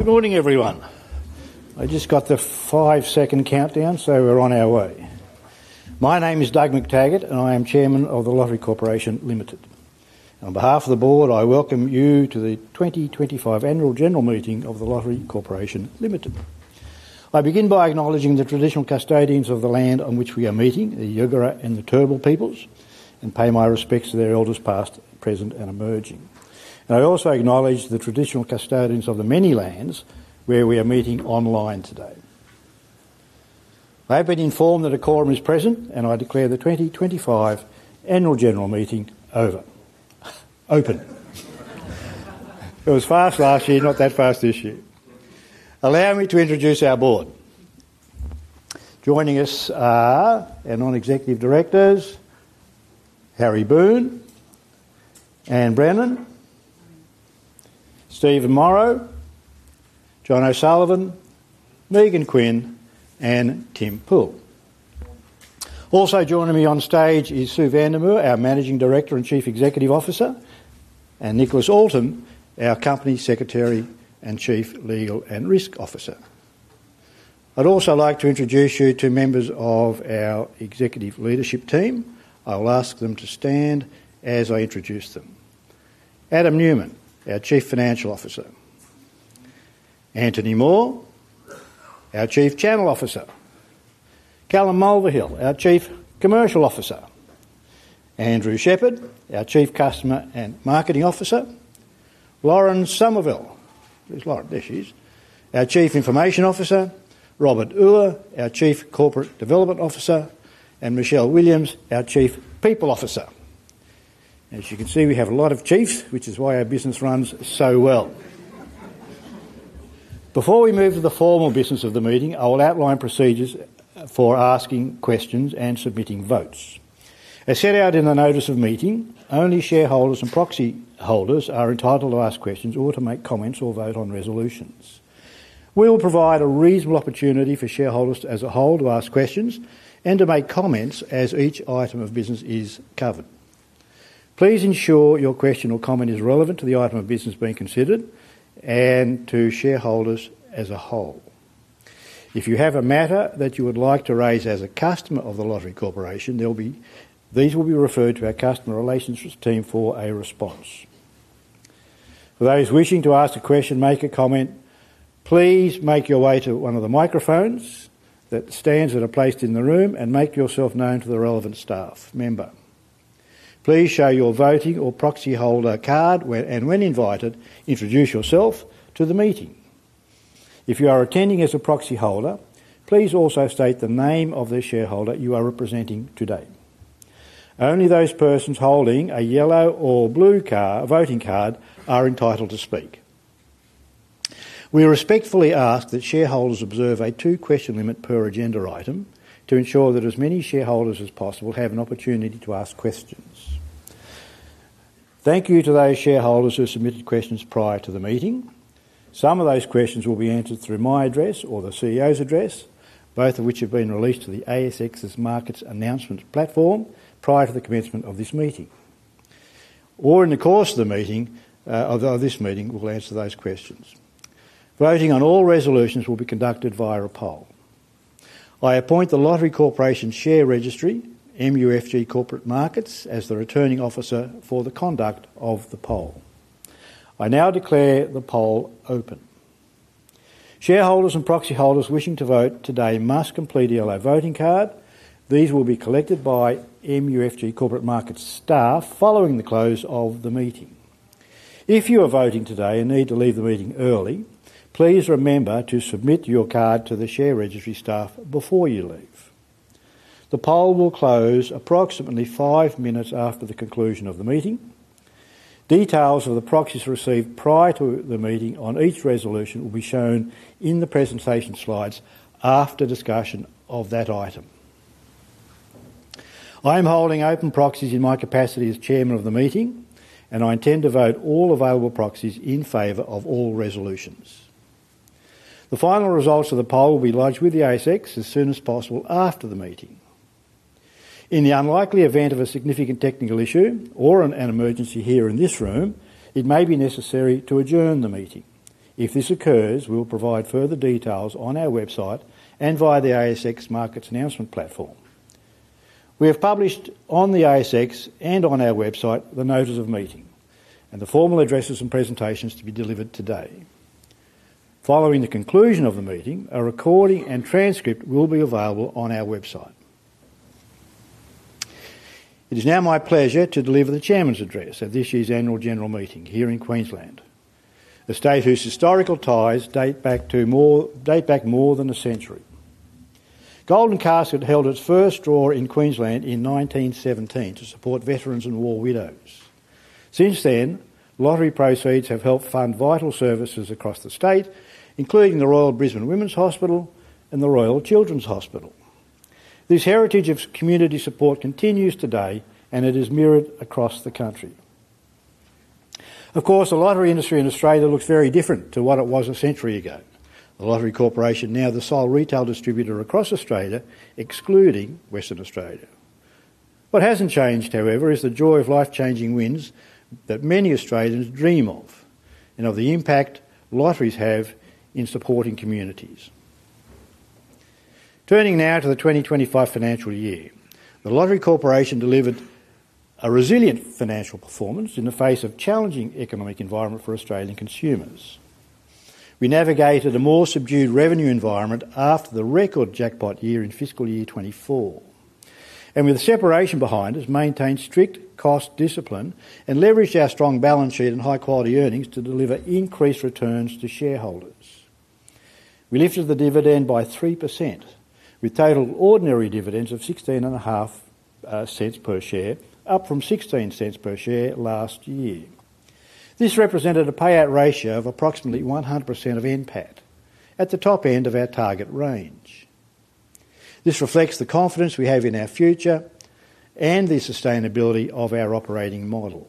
Good morning, everyone. I just got the five-second countdown, so we're on our way. My name is Doug McTaggart, and I am Chairman of The Lottery Corporation Ltd. On behalf of the Board, I welcome you to the 2025 Annual General Meeting of The Lottery Corporation Ltd. I begin by acknowledging the traditional custodians of the land on which we are meeting, the Jagera and Turrbal peoples, and pay my respects to their elders past, present, and emerging. I also acknowledge the traditional custodians of the many lands where we are meeting online today. I have been informed that a quorum is present, and I declare the 2025 Annual General Meeting open. It was fast last year, not that fast this year. Allow me to introduce our Board. Joining us are our non-executive directors, Harry Boone, Anne Brennan, Stephen Morrow, John O'Sullivan, Megan Quinn, and Tim Poole. Also joining me on stage is Sue van der Merwe, our Managing Director and Chief Executive Officer, and Nicholas Allton, our Company Secretary and Chief Legal and Risk Officer. I'd also like to introduce you to members of our executive leadership team. I will ask them to stand as I introduce them. Adam Newman, our Chief Financial Officer. Anthony Moore, our Chief Channel Officer. Callum Mulvihill, our Chief Commercial Officer. Andrew Shepherd, our Chief Customer and Marketing Officer. Loren Somerville, our Chief Information Officer. Robert Uhler, our Chief Corporate Development Officer. And Michelle Williams, our Chief People Officer. As you can see, we have a lot of chiefs, which is why our business runs so well. Before we move to the formal business of the meeting, I will outline procedures for asking questions and submitting votes. As set out in the notice of meeting, only shareholders and proxy holders are entitled to ask questions or to make comments or vote on resolutions. We will provide a reasonable opportunity for shareholders as a whole to ask questions and to make comments as each item of business is covered. Please ensure your question or comment is relevant to the item of business being considered and to shareholders as a whole. If you have a matter that you would like to raise as a customer of The Lottery Corporation, these will be referred to our Customer Relations Team for a response. For those wishing to ask a question, make a comment, please make your way to one of the microphones that are placed in the room and make yourself known to the relevant staff member. Please show your voting or proxy holder card and, when invited, introduce yourself to the meeting. If you are attending as a proxy holder, please also state the name of the shareholder you are representing today. Only those persons holding a yellow or blue voting card are entitled to speak. We respectfully ask that shareholders observe a two-question limit per agenda item to ensure that as many shareholders as possible have an opportunity to ask questions. Thank you to those shareholders who submitted questions prior to the meeting. Some of those questions will be answered through my address or the CEO's address, both of which have been released to the ASX's markets announcement platform prior to the commencement of this meeting or in the course of the meeting, although this meeting will answer those questions. Voting on all resolutions will be conducted via a poll. I appoint The Lottery Corporation's Share Registry, MUFG Corporate Markets, as the returning officer for the conduct of the poll. I now declare the poll open. Shareholders and proxy holders wishing to vote today must complete a yellow voting card. These will be collected by MUFG Corporate Markets staff following the close of the meeting. If you are voting today and need to leave the meeting early, please remember to submit your card to the Share Registry staff before you leave. The poll will close approximately five minutes after the conclusion of the meeting. Details of the proxies received prior to the meeting on each resolution will be shown in the presentation slides after discussion of that item. I am holding open proxies in my capacity as Chairman of the meeting, and I intend to vote all available proxies in favor of all resolutions. The final results of the poll will be lodged with the ASX as soon as possible after the meeting. In the unlikely event of a significant technical issue or an emergency here in this room, it may be necessary to adjourn the meeting. If this occurs, we will provide further details on our website and via the ASX markets announcement platform. We have published on the ASX and on our website the notice of meeting and the formal addresses and presentations to be delivered today. Following the conclusion of the meeting, a recording and transcript will be available on our website. It is now my pleasure to deliver the Chairman's address at this year's Annual General Meeting here in Queensland, a state whose historical ties date back more than a century. Golden Casket held its first draw in Queensland in 1917 to support veterans and war widows. Since then, lottery proceeds have helped fund vital services across the state, including the Royal Brisbane Women's Hospital and the Royal Children's Hospital. This heritage of community support continues today, and it is mirrored across the country. Of course, the lottery industry in Australia looks very different to what it was a century ago. The Lottery Corporation is now the sole retail distributor across Australia, excluding Western Australia. What hasn't changed, however, is the joy of life-changing wins that many Australians dream of and of the impact lotteries have in supporting communities. Turning now to the 2025 financial year, The Lottery Corporation delivered a resilient financial performance in the face of a challenging economic environment for Australian consumers. We navigated a more subdued revenue environment after the record jackpot year in FY 2024, and with the separation behind us, we maintained strict cost discipline and leveraged our strong balance sheet and high-quality earnings to deliver increased returns to shareholders. We lifted the dividend by 3%, with total ordinary dividends of 0.165 per share, up from 0.16 per share last year. This represented a payout ratio of approximately 100% of NPAT, at the top end of our target range. This reflects the confidence we have in our future and the sustainability of our operating model.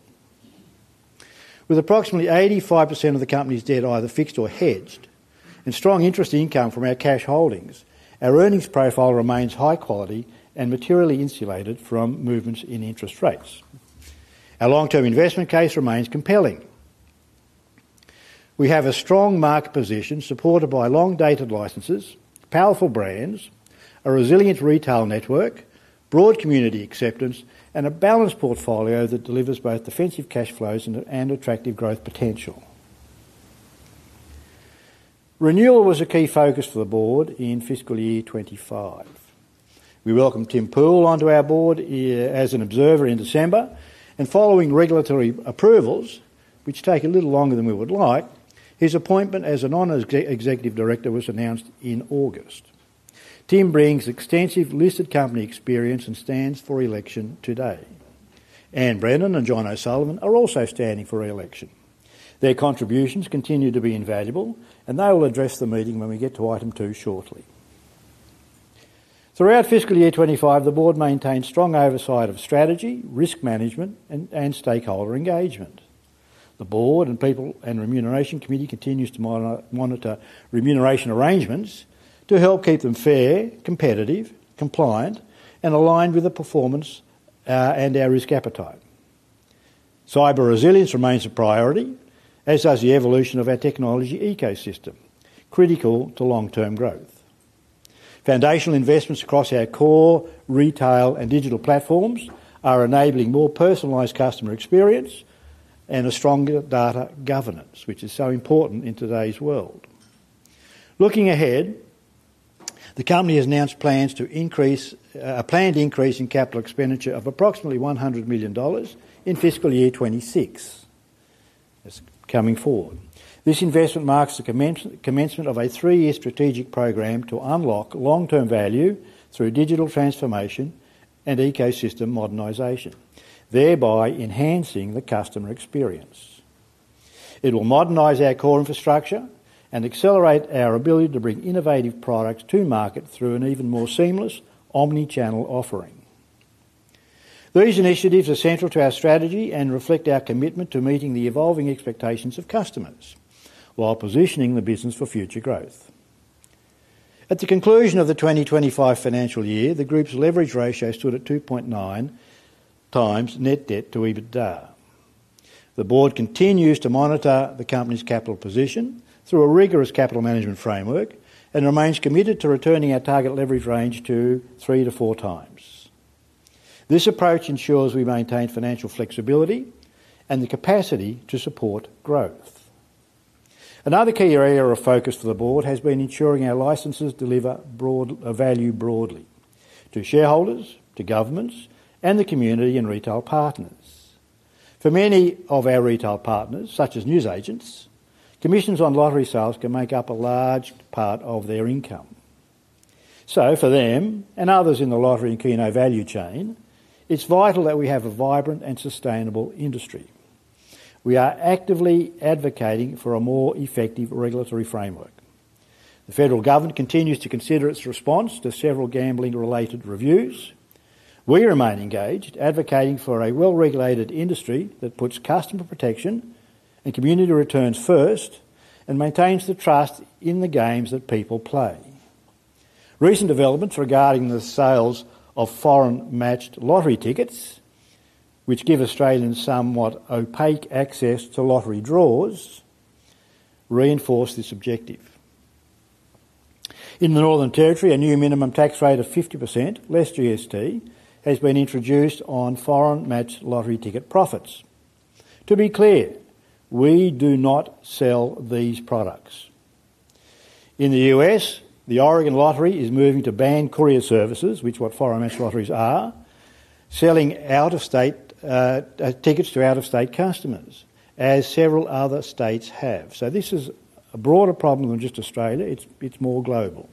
With approximately 85% of the company's debt either fixed or hedged, and strong interest income from our cash holdings, our earnings profile remains high-quality and materially insulated from movements in interest rates. Our long-term investment case remains compelling. We have a strong market position supported by long-dated licenses, powerful brands, a resilient retail network, broad community acceptance, and a balanced portfolio that delivers both defensive cash flows and attractive growth potential. Renewal was a key focus for the Board in FY 2025. We welcomed Tim Poole onto our Board as an observer in December, and following regulatory approvals, which take a little longer than we would like, his appointment as a Non-Executive Director was announced in August. Tim brings extensive listed company experience and stands for election today. Anne Brennan and John O'Sullivan are also standing for election. Their contributions continue to be invaluable, and they will address the meeting when we get to item two shortly. Throughout fiscal year 2025, the Board maintained strong oversight of strategy, risk management, and stakeholder engagement. The Board and the People and Remuneration Committee continue to monitor remuneration arrangements to help keep them fair, competitive, compliant, and aligned with the performance and our risk appetite. Cyber resilience remains a priority, as does the evolution of our technology ecosystem, critical to long-term growth. Foundational investments across our core retail and digital platforms are enabling more personalized customer experience and stronger data governance, which is so important in today's world. Looking ahead, the company has announced a planned increase in capital expenditure of approximately 100 million dollars in fiscal year 2026. This investment marks the commencement of a three-year strategic program to unlock long-term value through digital transformation and ecosystem modernization, thereby enhancing the customer experience. It will modernize our core infrastructure and accelerate our ability to bring innovative products to market through an even more seamless omnichannel offering. These initiatives are central to our strategy and reflect our commitment to meeting the evolving expectations of customers while positioning the business for future growth. At the conclusion of the 2025 financial year, the Group's leverage ratio stood at 2.9 times net debt to EBITDA. The Board continues to monitor the company's capital position through a rigorous capital management framework and remains committed to returning our target leverage range to 3-4 times. This approach ensures we maintain financial flexibility and the capacity to support growth. Another key area of focus for the Board has been ensuring our licenses deliver value broadly to shareholders, to governments, and the community and retail partners. For many of our retail partners, such as news agents, commissions on lottery sales can make up a large part of their income. For them and others in the lottery and keynote value chain, it's vital that we have a vibrant and sustainable industry. We are actively advocating for a more effective regulatory framework. The federal government continues to consider its response to several gambling-related reviews. We remain engaged, advocating for a well-regulated industry that puts customer protection and community returns first and maintains the trust in the games that people play. Recent developments regarding the sales of foreign-matched lottery tickets, which give Australians somewhat opaque access to lottery draws, reinforce this objective. In the Northern Territory, a new minimum tax rate of 50%, less GST, has been introduced on foreign-matched lottery ticket profits. To be clear, we do not sell these products. In the U.S., the Oregon Lottery is moving to ban courier services, which is what foreign-matched lotteries are, selling tickets to out-of-state customers, as several other states have. This is a broader problem than just Australia. It's more global.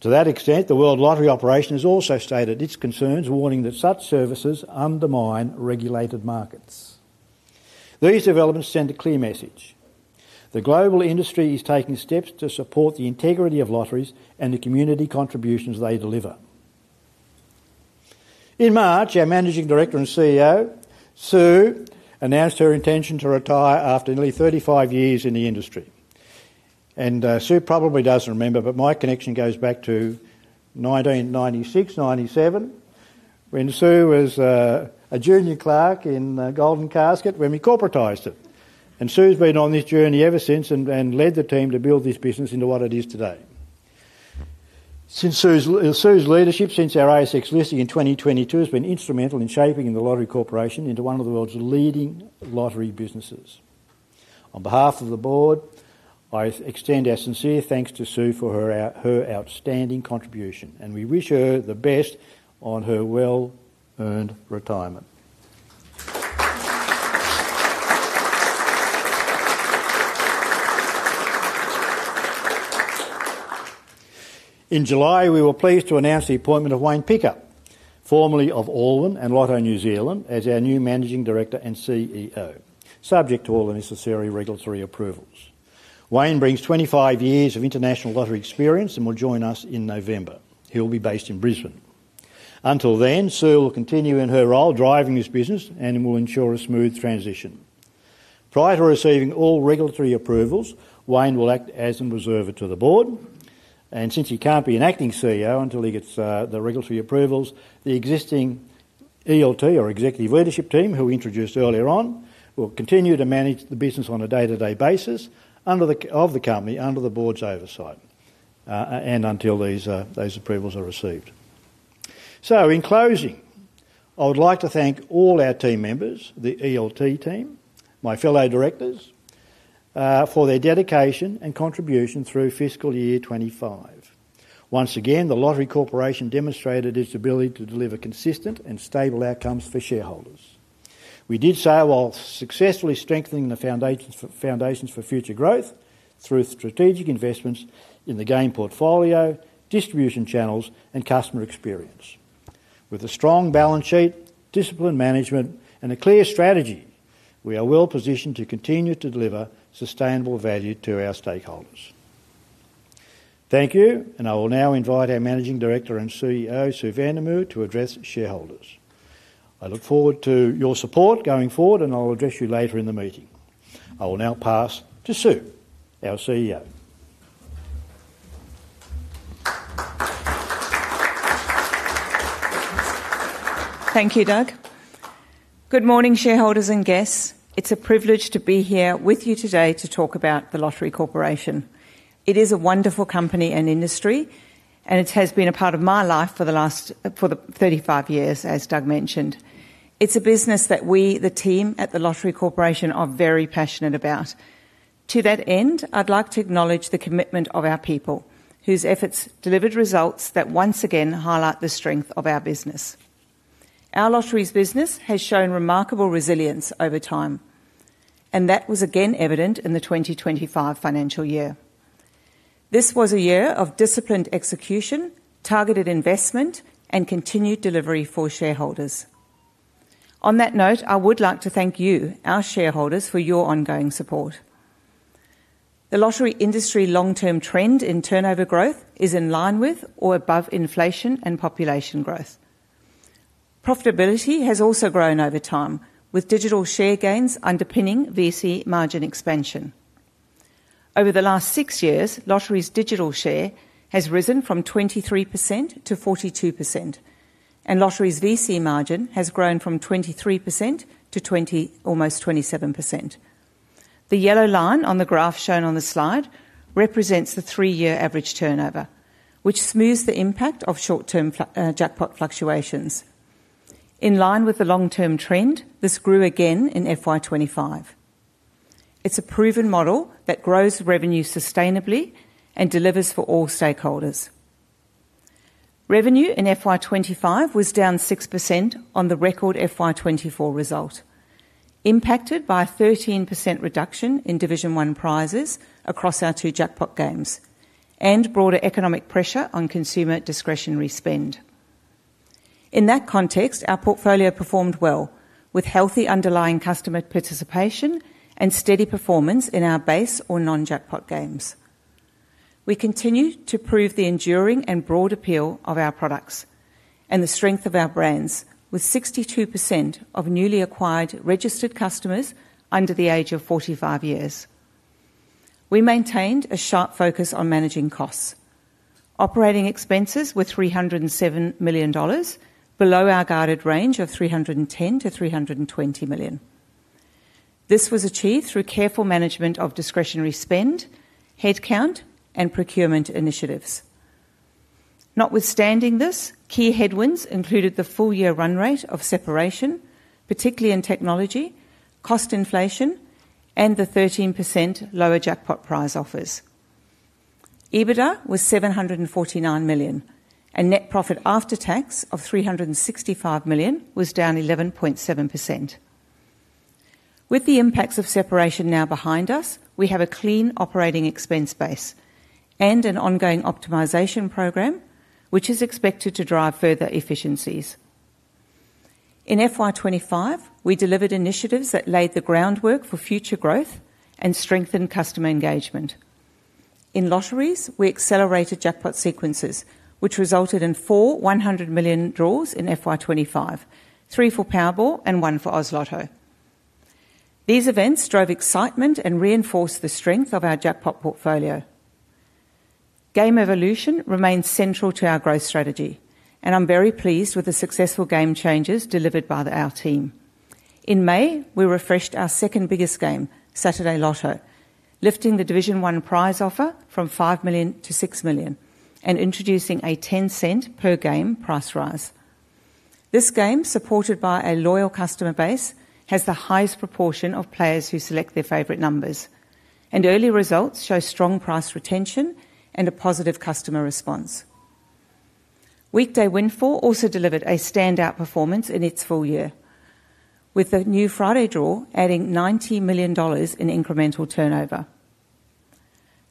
To that extent, the World Lottery Association has also stated its concerns, warning that such services undermine regulated markets. These developments send a clear message: the global industry is taking steps to support the integrity of lotteries and the community contributions they deliver. In March, our Managing Director and CEO, Sue van der Merwe, announced her intention to retire after nearly 35 years in the industry. Sue probably does remember, but my connection goes back to 1996, 1997, when Sue was a junior clerk in Golden Casket when we corporatized it. Sue's been on this journey ever since and led the team to build this business into what it is today. Sue's leadership since our ASX listing in 2022 has been instrumental in shaping The Lottery Corporation into one of the world's leading lottery businesses. On behalf of the Board, I extend our sincere thanks to Sue for her outstanding contribution, and we wish her the best on her well-earned retirement. In July, we were pleased to announce the appointment of Wayne Pickup, formerly of Allwyn and Lotto New Zealand, as our new Managing Director and CEO, subject to all the necessary regulatory approvals. Wayne brings 25 years of international lottery experience and will join us in November. He'll be based in Brisbane. Until then, Sue will continue in her role driving this business and will ensure a smooth transition. Prior to receiving all regulatory approvals, Wayne will act as an observer to the Board, and since he can't be an acting CEO until he gets the regulatory approvals, the existing Executive Leadership Team, who we introduced earlier on, will continue to manage the business on a day-to-day basis of the company under the Board's oversight until those approvals are received. In closing, I would like to thank all our team members, the Executive Leadership Team, and my fellow directors for their dedication and contribution through fiscal year 2025. Once again, The Lottery Corporation demonstrated its ability to deliver consistent and stable outcomes for shareholders. We did so while successfully strengthening the foundations for future growth through strategic investments in the game portfolio, distribution channels, and customer experience. With a strong balance sheet, disciplined management, and a clear strategy, we are well positioned to continue to deliver sustainable value to our stakeholders. Thank you, and I will now invite our Managing Director and CEO, Sue van der Merwe, to address shareholders. I look forward to your support going forward, and I'll address you later in the meeting. I will now pass to Sue, our CEO. Thank you, Doug. Good morning, shareholders and guests. It's a privilege to be here with you today to talk about The Lottery Corporation. It is a wonderful company and industry, and it has been a part of my life for the last 35 years, as Doug mentioned. It's a business that we, the team at The Lottery Corporation, are very passionate about. To that end, I'd like to acknowledge the commitment of our people, whose efforts delivered results that once again highlight the strength of our business. Our lottery business has shown remarkable resilience over time, and that was again evident in the 2025 financial year. This was a year of disciplined execution, targeted investment, and continued delivery for shareholders. On that note, I would like to thank you, our shareholders, for your ongoing support. The lottery industry's long-term trend in turnover growth is in line with or above inflation and population growth. Profitability has also grown over time, with digital share gains underpinning VC margin expansion. Over the last six years, Lottery's digital share has risen from 23%-42%, and Lottery's VC margin has grown from 23% to almost 27%. The yellow line on the graph shown on the slide represents the three-year average turnover, which smooths the impact of short-term jackpot fluctuations. In line with the long-term trend, this grew again in FY 2025. It's a proven model that grows revenue sustainably and delivers for all stakeholders. Revenue in FY 2025 was down 6% on the record FY 2024 result, impacted by a 13% reduction in Division I prizes across our two jackpot games and broader economic pressure on consumer discretionary spend. In that context, our portfolio performed well, with healthy underlying customer participation and steady performance in our base or non-jackpot games. We continue to prove the enduring and broad appeal of our products and the strength of our brands, with 62% of newly acquired registered customers under the age of 45 years. We maintained a sharp focus on managing costs. Operating expenses were 307 million dollars, below our guarded range of 310 million-320 million. This was achieved through careful management of discretionary spend, headcount, and procurement initiatives. Notwithstanding this, key headwinds included the full-year run rate of separation, particularly in technology, cost inflation, and the 13% lower jackpot prize offers. EBITDA was 749 million, and net profit after tax of 365 million was down 11.7%. With the impacts of separation now behind us, we have a clean operating expense base and an ongoing optimization program, which is expected to drive further efficiencies. In FY 2025, we delivered initiatives that laid the groundwork for future growth and strengthened customer engagement. In lotteries, we accelerated jackpot sequences, which resulted in four 100 million draws in FY 2025, three for Powerball and one for Oz Lotto. These events drove excitement and reinforced the strength of our jackpot portfolio. Game evolution remains central to our growth strategy, and I'm very pleased with the successful game changes delivered by our team. In May, we refreshed our second biggest game, Saturday Lotto, lifting the Division I prize offer from 5 million-6 million and introducing a 0.10 per game price rise. This game, supported by a loyal customer base, has the highest proportion of players who select their favorite numbers, and early results show strong price retention and a positive customer response. Weekday Win 4 also delivered a standout performance in its full year, with the new Friday draw adding 90 million dollars in incremental turnover.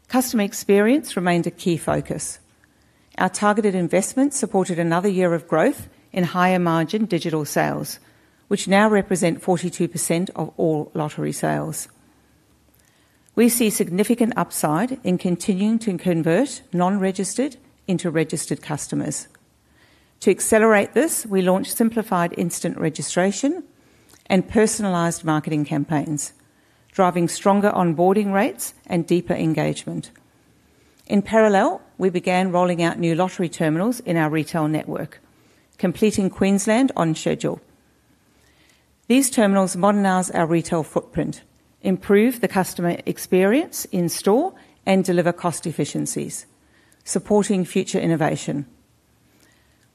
Customer experience remained a key focus. Our targeted investments supported another year of growth in higher margin digital sales, which now represent 42% of all lottery sales. We see significant upside in continuing to convert non-registered into registered customers. To accelerate this, we launched simplified instant registration and personalized marketing campaigns, driving stronger onboarding rates and deeper engagement. In parallel, we began rolling out new lottery terminals in our retail network, completing Queensland on schedule. These terminals modernize our retail footprint, improve the customer experience in store, and deliver cost efficiencies, supporting future innovation.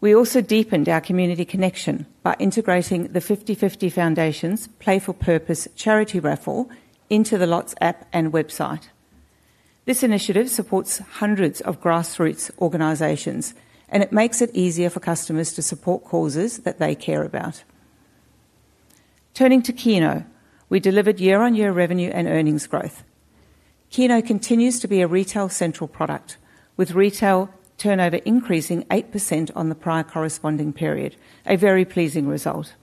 We also deepened our community connection by integrating the 50/50 Foundation's Play For Purpose charity raffle into The Lott app and website. This initiative supports hundreds of grassroots organizations, and it makes it easier for customers to support causes that they care about. Turning to Keno, we delivered year-on-year revenue and earnings growth. Keno continues to be a retail central product, with retail turnover increasing 8% on the prior corresponding period, a very pleasing result.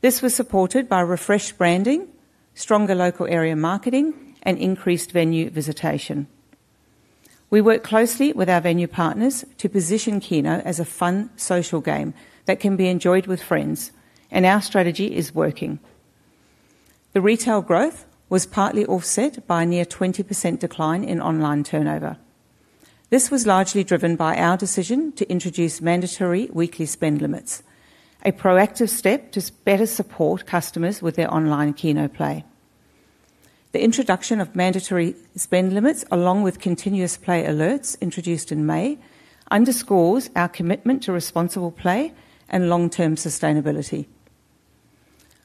This was supported by refreshed branding, stronger local area marketing, and increased venue visitation. We work closely with our venue partners to position Keynote as a fun, social game that can be enjoyed with friends, and our strategy is working. The retail growth was partly offset by a near 20% decline in online turnover. This was largely driven by our decision to introduce mandatory weekly spend limits, a proactive step to better support customers with their online Keynote play. The introduction of mandatory spend limits, along with continuous play alerts introduced in May, underscores our commitment to responsible play and long-term sustainability.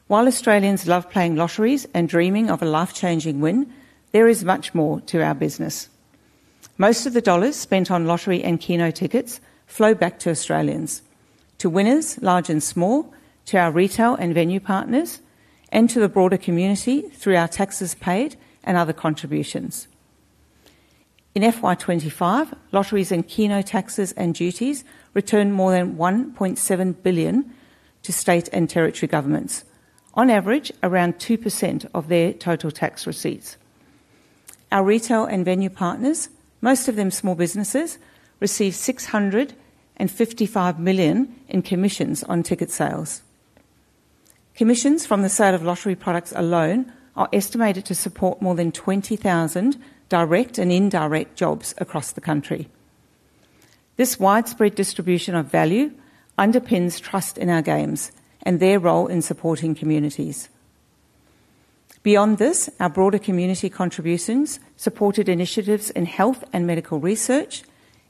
While Australians love playing lotteries and dreaming of a life-changing win, there is much more to our business. Most of the dollars spent on lottery and Keynote tickets flow back to Australians, to winners, large and small, to our retail and venue partners, and to the broader community through our taxes paid and other contributions. In FY 2025, lotteries and Keynote taxes and duties returned more than 1.7 billion to state and territory governments, on average around 2% of their total tax receipts. Our retail and venue partners, most of them small businesses, received 655 million in commissions on ticket sales. Commissions from the sale of lottery products alone are estimated to support more than 20,000 direct and indirect jobs across the country. This widespread distribution of value underpins trust in our games and their role in supporting communities. Beyond this, our broader community contributions supported initiatives in health and medical research,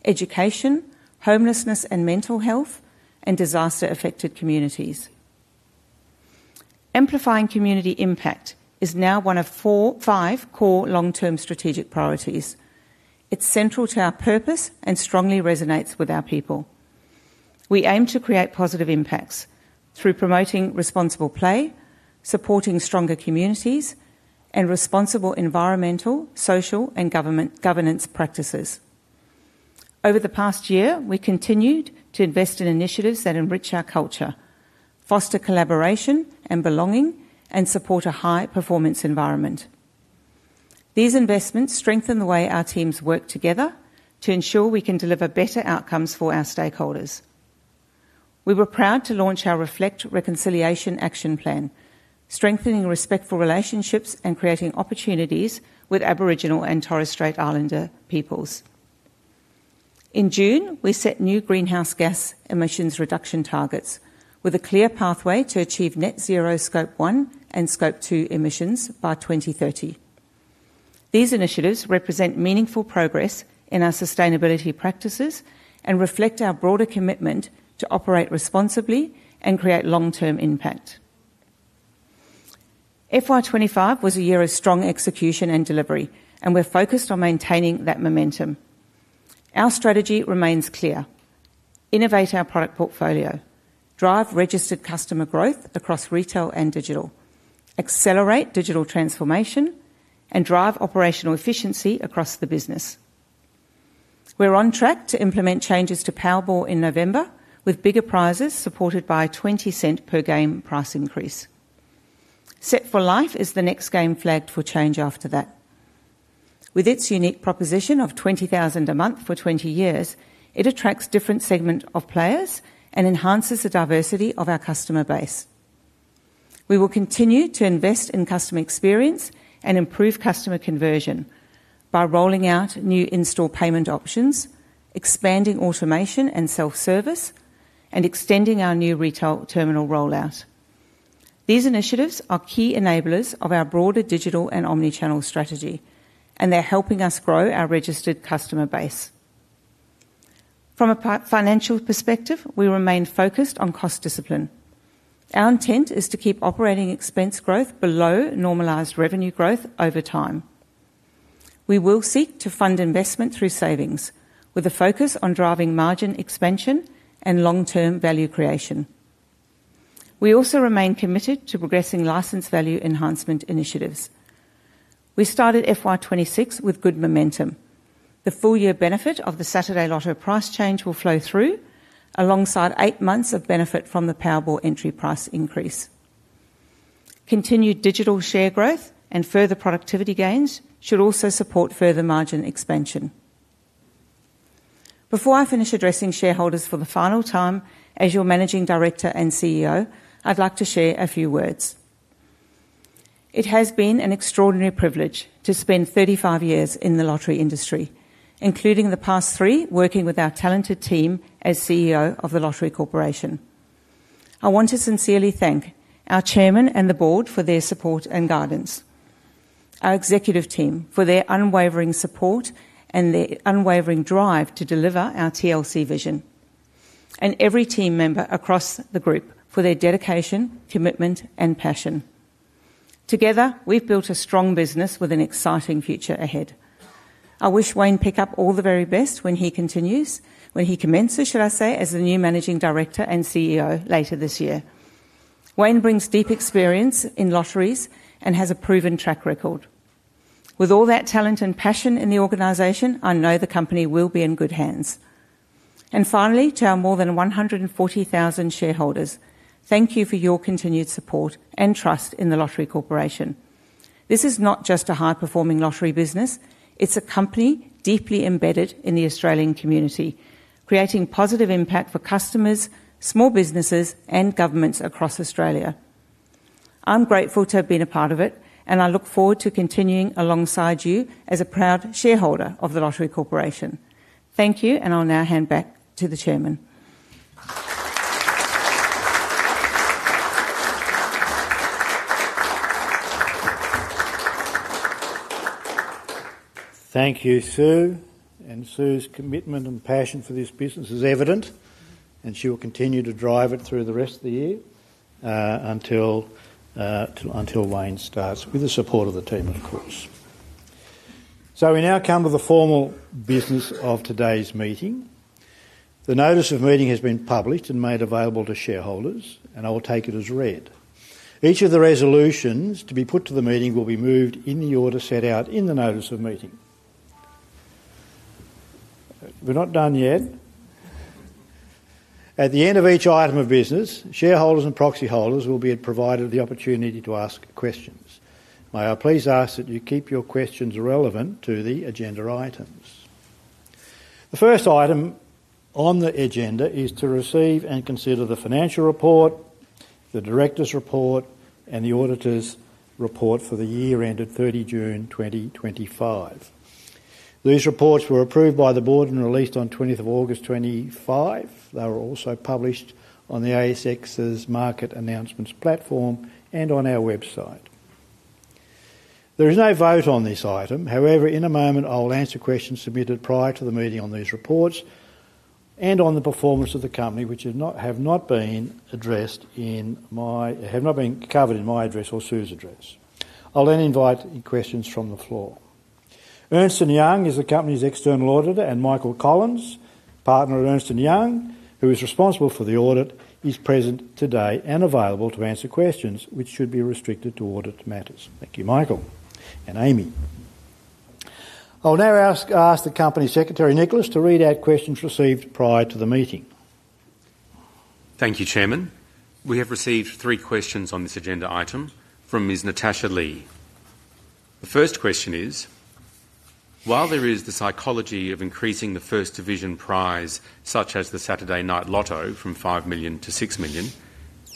education, homelessness and mental health, and disaster-affected communities. Amplifying community impact is now one of five core long-term strategic priorities. It's central to our purpose and strongly resonates with our people. We aim to create positive impacts through promoting responsible play, supporting stronger communities, and responsible environmental, social, and governance practices. Over the past year, we continued to invest in initiatives that enrich our culture, foster collaboration and belonging, and support a high-performance environment. These investments strengthen the way our teams work together to ensure we can deliver better outcomes for our stakeholders. We were proud to launch our Reflect Reconciliation Action Plan, strengthening respectful relationships and creating opportunities with Aboriginal and Torres Strait Islander peoples. In June, we set new greenhouse gas emissions reduction targets with a clear pathway to achieve net zero Scope 1 and Scope 2 emissions by 2030. These initiatives represent meaningful progress in our sustainability practices and reflect our broader commitment to operate responsibly and create long-term impact. FY 2025 was a year of strong execution and delivery, and we're focused on maintaining that momentum. Our strategy remains clear: innovate our product portfolio, drive registered customer growth across retail and digital, accelerate digital transformation, and drive operational efficiency across the business. We're on track to implement changes to Powerball in November, with bigger prizes supported by a 0.20 per game price increase. Set for Life is the next game flagged for change after that. With its unique proposition of 20,000 a month for 20 years, it attracts a different segment of players and enhances the diversity of our customer base. We will continue to invest in customer experience and improve customer conversion by rolling out new in-store payment options, expanding automation and self-service, and extending our new retail terminal rollout. These initiatives are key enablers of our broader digital and omnichannel strategy, and they're helping us grow our registered customer base. From a financial perspective, we remain focused on cost discipline. Our intent is to keep operating expense growth below normalised revenue growth over time. We will seek to fund investment through savings, with a focus on driving margin expansion and long-term value creation. We also remain committed to progressing licence value enhancement initiatives. We started FY 2026 with good momentum. The full-year benefit of the Saturday Lotto price change will flow through, alongside eight months of benefit from the Powerball entry price increase. Continued digital share growth and further productivity gains should also support further margin expansion. Before I finish addressing shareholders for the final time as your Managing Director and CEO, I'd like to share a few words. It has been an extraordinary privilege to spend 35 years in the lottery industry, including the past three working with our talented team as CEO of The Lottery Corporation. I want to sincerely thank our Chairman and the Board for their support and guidance, our executive team for their unwavering support and their unwavering drive to deliver our TLC vision, and every team member across the Group for their dedication, commitment, and passion. Together, we've built a strong business with an exciting future ahead. I wish Wayne Pickup all the very best when he commences, should I say, as the new Managing Director and CEO later this year. Wayne brings deep experience in lotteries and has a proven track record. With all that talent and passion in the organization, I know the company will be in good hands. Finally, to our more than 140,000 shareholders, thank you for your continued support and trust in The Lottery Corporation. This is not just a high-performing lottery business; it's a company deeply embedded in the Australian community, creating positive impact for customers, small businesses, and governments across Australia. I'm grateful to have been a part of it, and I look forward to continuing alongside you as a proud shareholder of The Lottery Corporation. Thank you, and I'll now hand back to the Chairman. Thank you, Sue. Sue's commitment and passion for this business is evident, and she will continue to drive it through the rest of the year until Wayne starts, with the support of the team, of course. We now come to the formal business of today's meeting. The notice of meeting has been published and made available to shareholders, and I will take it as read. Each of the resolutions to be put to the meeting will be moved in the order set out in the notice of meeting. At the end of each item of business, shareholders and proxy holders will be provided the opportunity to ask questions. May I please ask that you keep your questions relevant to the agenda items. The first item on the agenda is to receive and consider the financial report, the director's report, and the auditor's report for the year ended 30th of June, 2025. These reports were approved by the Board and released on 20th of August 2025. They were also published on the ASX's market announcements platform and on our website. There is no vote on this item. However, in a moment, I will answer questions submitted prior to the meeting on these reports and on the performance of the company, which have not been addressed in my address or Sue's address. I'll then invite questions from the floor. Ernst & Young is the company's external auditor, and Michael Collins, partner at Ernst & Young, who is responsible for the audit, is present today and available to answer questions, which should be restricted to audit matters. Thank you, Michael and Amy. I'll now ask the Company Secretary, Nicholas, to read out questions received prior to the meeting. Thank you, Chairman. We have received three questions on this agenda item from Ms. Natasha Lee. The first question is, while there is the psychology of increasing the first division prize, such as the Saturday Lotto, from 5 million-6 million,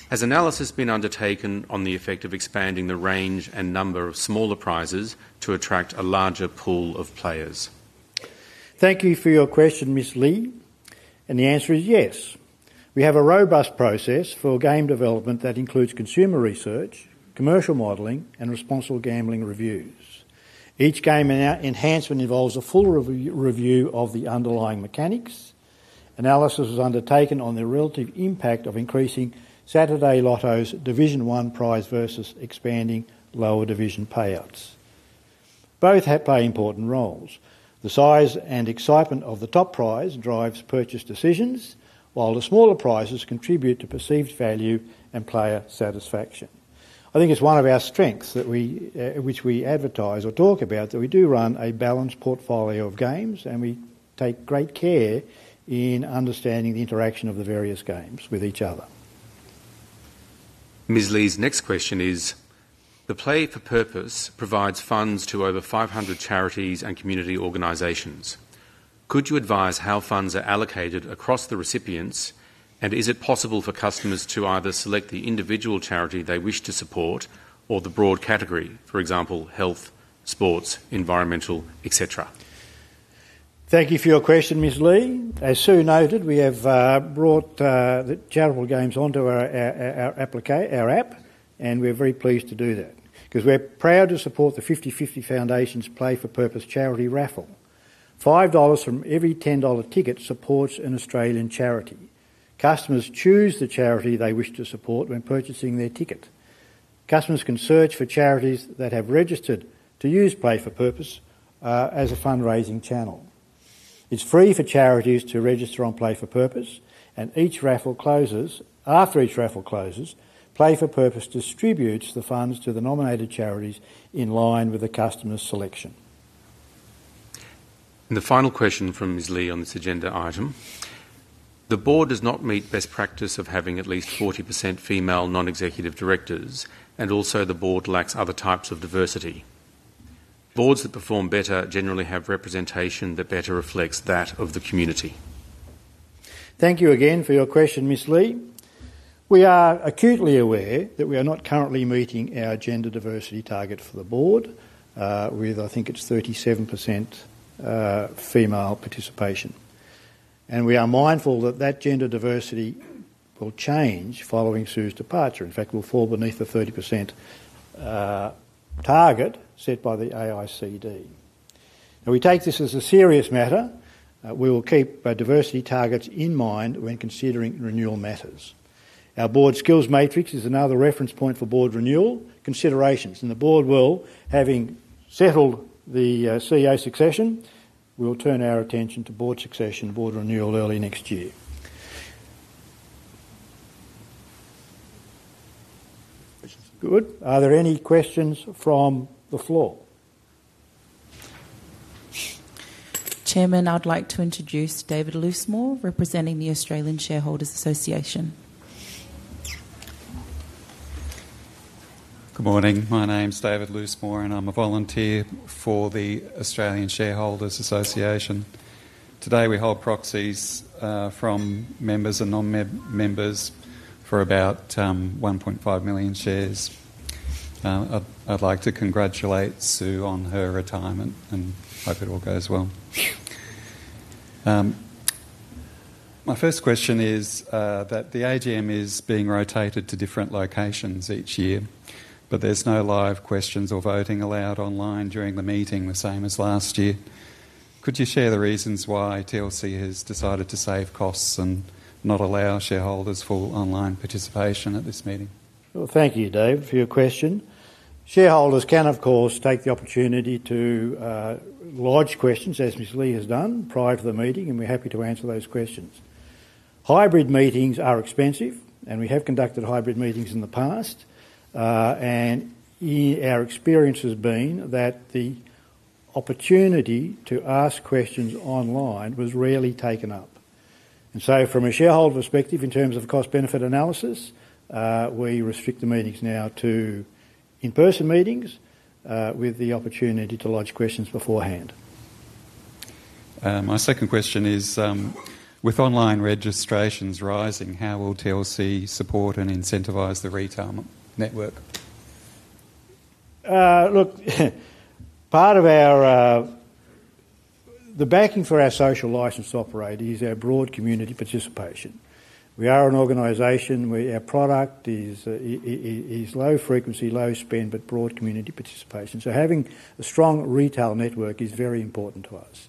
has analysis been undertaken on the effect of expanding the range and number of smaller prizes to attract a larger pool of players? Thank you for your question, Ms. Lee, and the answer is yes. We have a robust process for game development that includes consumer research, commercial modeling, and responsible gambling reviews. Each game enhancement involves a full review of the underlying mechanics. Analysis is undertaken on the relative impact of increasing Saturday Lotto's Division I prize versus expanding lower division payouts. Both play important roles. The size and excitement of the top prize drives purchase decisions, while the smaller prizes contribute to perceived value and player satisfaction. I think it's one of our strengths that we advertise or talk about, that we do run a balanced portfolio of games, and we take great care in understanding the interaction of the various games with each other. Ms. Lee's next question is, the Play for Purpose provides funds to over 500 charities and community organizations. Could you advise how funds are allocated across the recipients, and is it possible for customers to either select the individual charity they wish to support or the broad category, for example, health, sports, environmental, etc.? Thank you for your question, Ms. Lee. As Sue noted, we have brought the charitable games onto our app, and we're very pleased to do that because we're proud to support the 50/50 Foundation's Play for Purpose charity raffle. 5 dollars from every 10 dollar ticket supports an Australian charity. Customers choose the charity they wish to support when purchasing their ticket. Customers can search for charities that have registered to use Play for Purpose as a fundraising channel. It's free for charities to register on Play for Purpose, and after each raffle closes, Play for Purpose distributes the funds to the nominated charities in line with the customer's selection. The final question from Ms. Lee on this agenda item is that the Board does not meet best practice of having at least 40% female non-executive directors, and also the Board lacks other types of diversity. Boards that perform better generally have representation that better reflects that of the community. Thank you again for your question, Ms. Lee. We are acutely aware that we are not currently meeting our gender diversity target for the Board, with, I think it's 37% female participation, and we are mindful that that gender diversity will change following Sue's departure. In fact, we'll fall beneath the 30% target set by the AICD. We take this as a serious matter. We will keep diversity targets in mind when considering renewal matters. Our Board skills matrix is another reference point for Board renewal considerations, and the Board, having settled the CEO succession, will turn our attention to Board succession and Board renewal early next year. Are there any questions from the floor? Chairman, I'd like to introduce David Loosemore, representing the Australian Shareholders Association. Good morning. My name's David Loosemore, and I'm a volunteer for the Australian Shareholders Association. Today, we hold proxies from members and non-members for about 1.5 million shares. I'd like to congratulate Sue on her retirement and hope it all goes well. My first question is that the AGM is being rotated to different locations each year, but there's no live questions or voting allowed online during the meeting, the same as last year. Could you share the reasons why The Lottery Corporation has decided to save costs and not allow shareholders for online participation at this meeting? Thank you, Dave, for your question. Shareholders can, of course, take the opportunity to lodge questions, as Ms. Lee has done prior to the meeting, and we're happy to answer those questions. Hybrid meetings are expensive, and we have conducted hybrid meetings in the past. Our experience has been that the opportunity to ask questions online was rarely taken up. From a shareholder perspective, in terms of cost-benefit analysis, we restrict the meetings now to in-person meetings with the opportunity to lodge questions beforehand. My second question is, with online registrations rising, how will The Lottery Corporation support and incentivize the retail network? Part of our backing for our social license operator is our broad community participation. We are an organization, our product is low frequency, low spend, but broad community participation. Having a strong retail network is very important to us.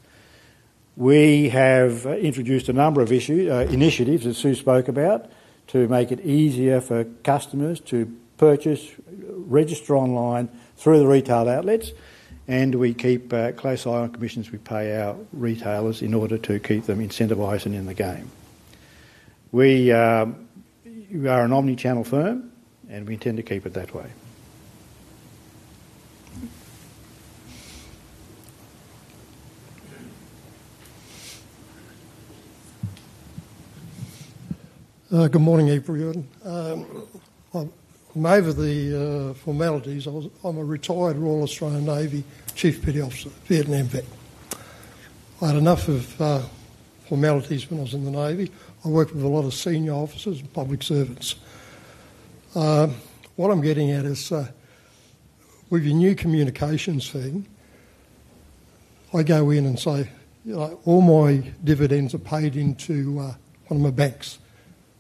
We have introduced a number of initiatives that Sue van der Merwe spoke about to make it easier for customers to purchase, register online through the retail outlets, and we keep a close eye on commissions we pay our retailers in order to keep them incentivized and in the game. We are an omnichannel firm, and we intend to keep it that way. Good morning, everyone. I'm over the formalities. I'm a retired Royal Australian Navy Chief Petty Officer, Vietnam Vet. I had enough of formalities when I was in the Navy. I worked with a lot of senior officers and public servants. What I'm getting at is, with your new communications thing, I go in and say, you know, all my dividends are paid into one of my banks,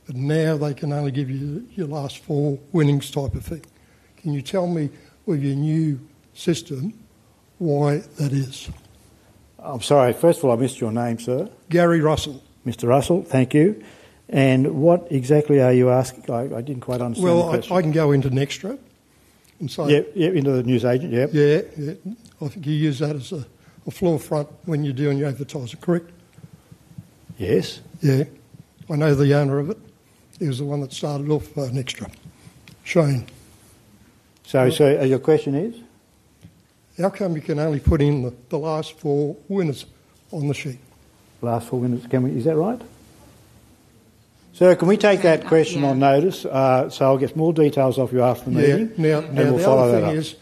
but now they can only give you your last four winnings type of thing. Can you tell me, with your new system, why that is? I'm sorry. First of all, I missed your name, sir. Gary Russell. Mr. Russell, thank you. What exactly are you asking? I didn't quite understand that question. I can go into Nextra. I'm sorry. Yeah, into the newsagent, yeah. Yeah, I think you use that as a floor front when you're doing your advertising, correct? Yes. Yeah, I know the owner of it. He was the one that started off Nextra, Shane. Your question is? How come you can only put in the last four winners on the sheet? Last four winners, can we? Is that right? Sir, can we take that question on notice? I'll get more details off you after the meeting. Yeah, yeah. We will follow that up. The other thing is,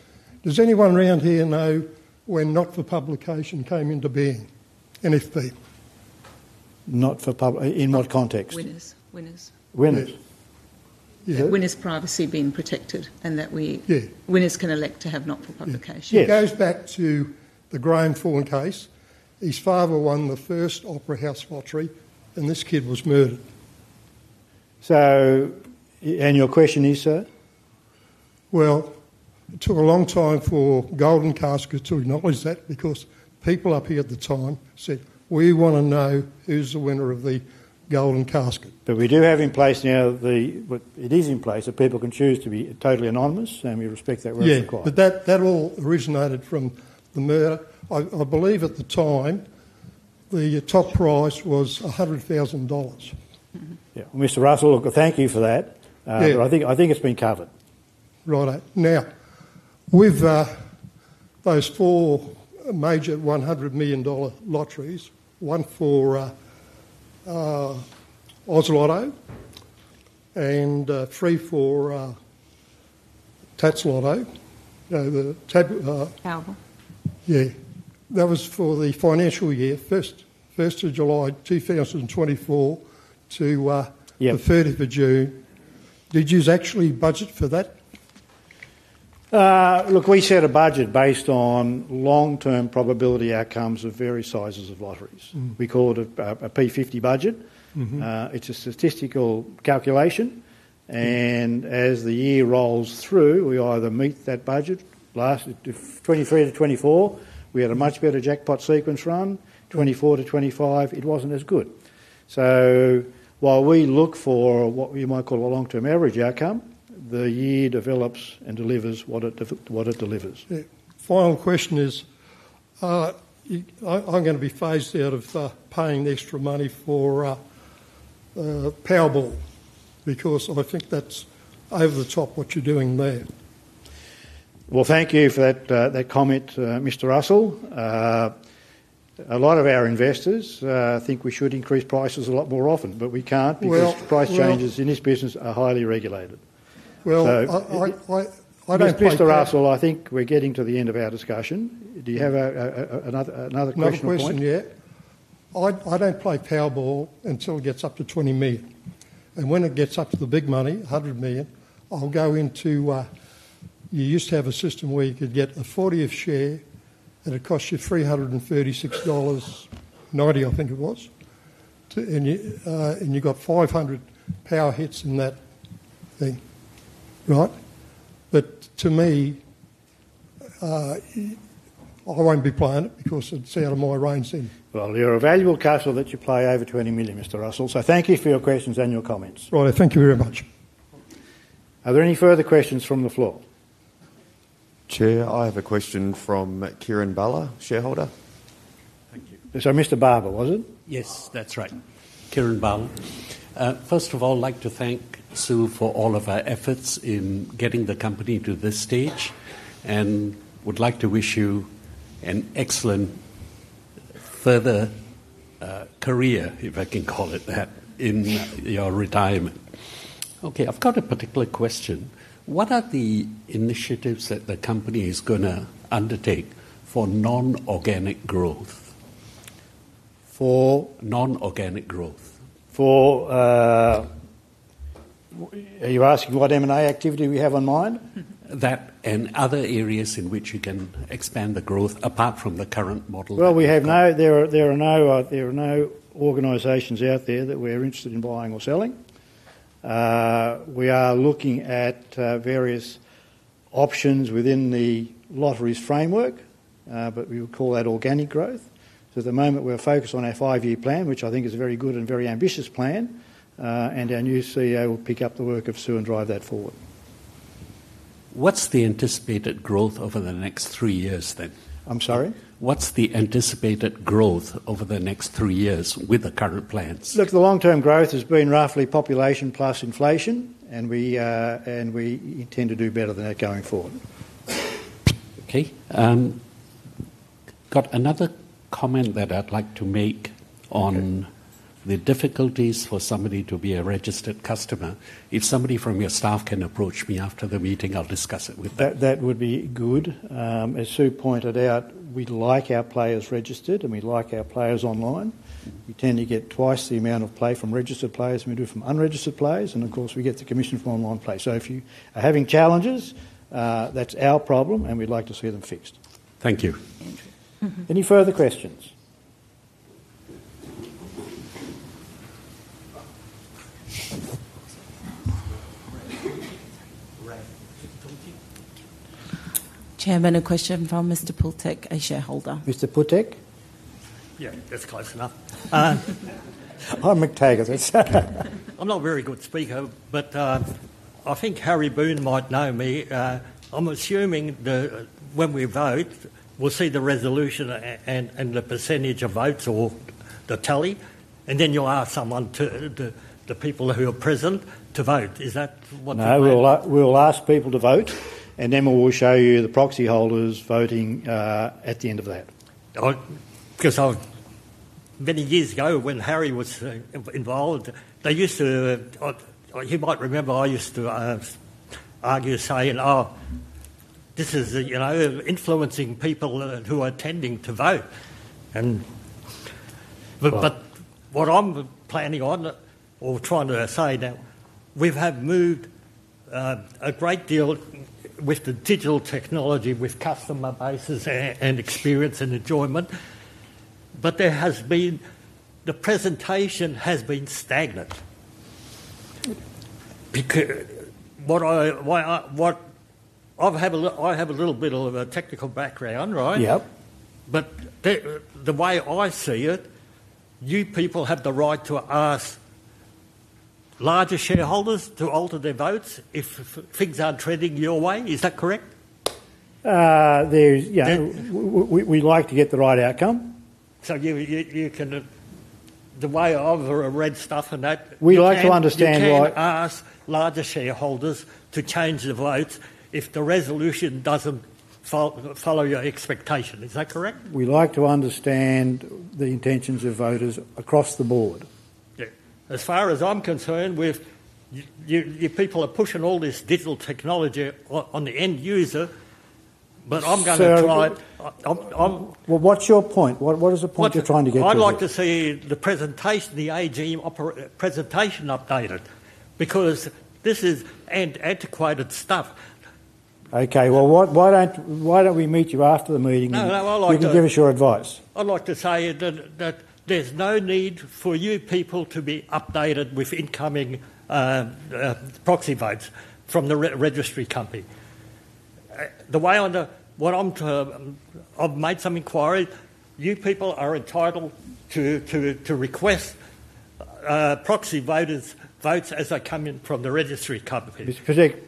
does anyone around here know when Not For Publication came into being, N.F.P.? Not for publication, in what context? Winners. Winners. Is it? Is it winners' privacy being protected? Yeah. Winners can elect to have Not For Publication? It goes back to the Graham Fawn case. His father won the first Opera House lottery, and this kid was murdered. Your question is, sir? It took a long time for Golden Casket to acknowledge that because people up here at the time said, "We want to know who's the winner of the Golden Casket. We do have in place now the... It is in place that people can choose to be totally anonymous, and we respect that where it's required. Yeah, that all originated from the murder. I believe at the time the top prize was 100,000 dollars. Yeah, Mr. Russell, thank you for that. Yeah. I think it's been covered. Right. Now, with those four major 100 million dollar lotteries, one for Oz Lotto, and three for TattsLotto. Powerball. Yeah. That was for the financial year, 1st of July 2024 to the 30th of June. Did you actually budget for that? Look, we set a budget based on long-term probability outcomes of various sizes of lotteries. We call it a P50 budget. It's a statistical calculation, and as the year rolls through, we either meet that budget. In 2023-2024, we had a much better jackpot sequence run. In 2024-2025, it wasn't as good. While we look for what you might call a long-term average outcome, the year develops and delivers what it delivers. Yeah. Final question is, I am going to be phased out of paying extra money for Powerball because I think that's over the top what you're doing there. Thank you for that comment, Mr. Russell. A lot of our investors think we should increase prices a lot more often, but we can't because price changes in this business are highly regulated. I don't play. Mr. Russell, I think we're getting to the end of our discussion. Do you have another question or comment? No question yet. I don't play Powerball until it gets up to 20 million, and when it gets up to the big money, 100 million, I'll go into... You used to have a system where you could get a 40th share, and it cost you 336.90 dollars, I think it was, and you got 500 Power Hits in that thing, right? To me, I won't be playing it because it's out of my range then. You're a valuable card that you play over 20 million, Mr. Russell. Thank you for your questions and your comments. Right, thank you very much. Are there any further questions from the floor? Chair, I have a question from Kieran Baller, shareholder. Mr. Baller, was it? Yes, that's right, Kieran Baller. First of all, I'd like to thank Sue for all of her efforts in getting the company to this stage and would like to wish you an excellent further career, if I can call it that, in your retirement. I've got a particular question. What are the initiatives that the company is going to undertake for non-organic growth? For non-organic growth, are you asking what M&A activity we have in mind? That and other areas in which you can expand the growth apart from the current model. There are no organizations out there that we're interested in buying or selling. We are looking at various options within the lottery's framework, but we would call that organic growth. At the moment, we're focused on our five-year plan, which I think is a very good and very ambitious plan, and our new CEO will pick up the work of Sue and drive that forward. What's the anticipated growth over the next three years? I'm sorry? What's the anticipated growth over the next three years with the current plans? The long-term growth has been roughly population plus inflation, and we intend to do better than that going forward. Okay. I've got another comment that I'd like to make on the difficulties for somebody to be a registered customer. If somebody from your staff can approach me after the meeting, I'll discuss it with them. That would be good. As Sue pointed out, we like our players registered, and we like our players online. We tend to get twice the amount of play from registered players than we do from unregistered players, and of course, we get the commission from online play. If you are having challenges, that's our problem, and we'd like to see them fixed. Thank you. Any further questions? Chairman, a question from Mr. Pultek, a shareholder. Mr. Pultek? Yeah, that's close enough. I'm McTaggart. I'm not a very good speaker, but I think Harry Boone might know me. I'm assuming that when we vote, we'll see the resolution and the percentage of votes or the tally, and then you'll ask someone, the people who are present, to vote. Is that what? No, we'll ask people to vote, and then we'll show you the proxy holders voting at the end of that. Because many years ago, when Harry was involved, they used to, you might remember, I used to argue saying, "Oh, this is, you know, influencing people who are tending to vote." What I'm planning on or trying to say now is we have moved a great deal with the digital technology, with customer bases and experience and enjoyment, but the presentation has been stagnant. I have a little bit of a technical background, right? Yeah. The way I see it, new people have the right to ask larger shareholders to alter their votes if things aren't treading your way. Is that correct? Yeah, we like to get the right outcome. You can, the way I've read stuff and that. We like to understand what. You can ask larger shareholders to change their votes if the resolution doesn't follow your expectation. Is that correct? We like to understand the intentions of voters across the board. As far as I'm concerned, your people are pushing all this digital technology on the end user, but I'm going to try. What is your point? What is the point you're trying to get to? I'd like to see the presentation, the AGM presentation updated because this is antiquated stuff. Okay, why don't we meet you after the meeting? No, I'd like to. We can give you your advice. I'd like to say that there's no need for you people to be updated with incoming proxy votes from the registry company. The way I'm to, I've made some inquiries, you people are entitled to request proxy voters' votes as they come in from the registry company. Mr. Pultek,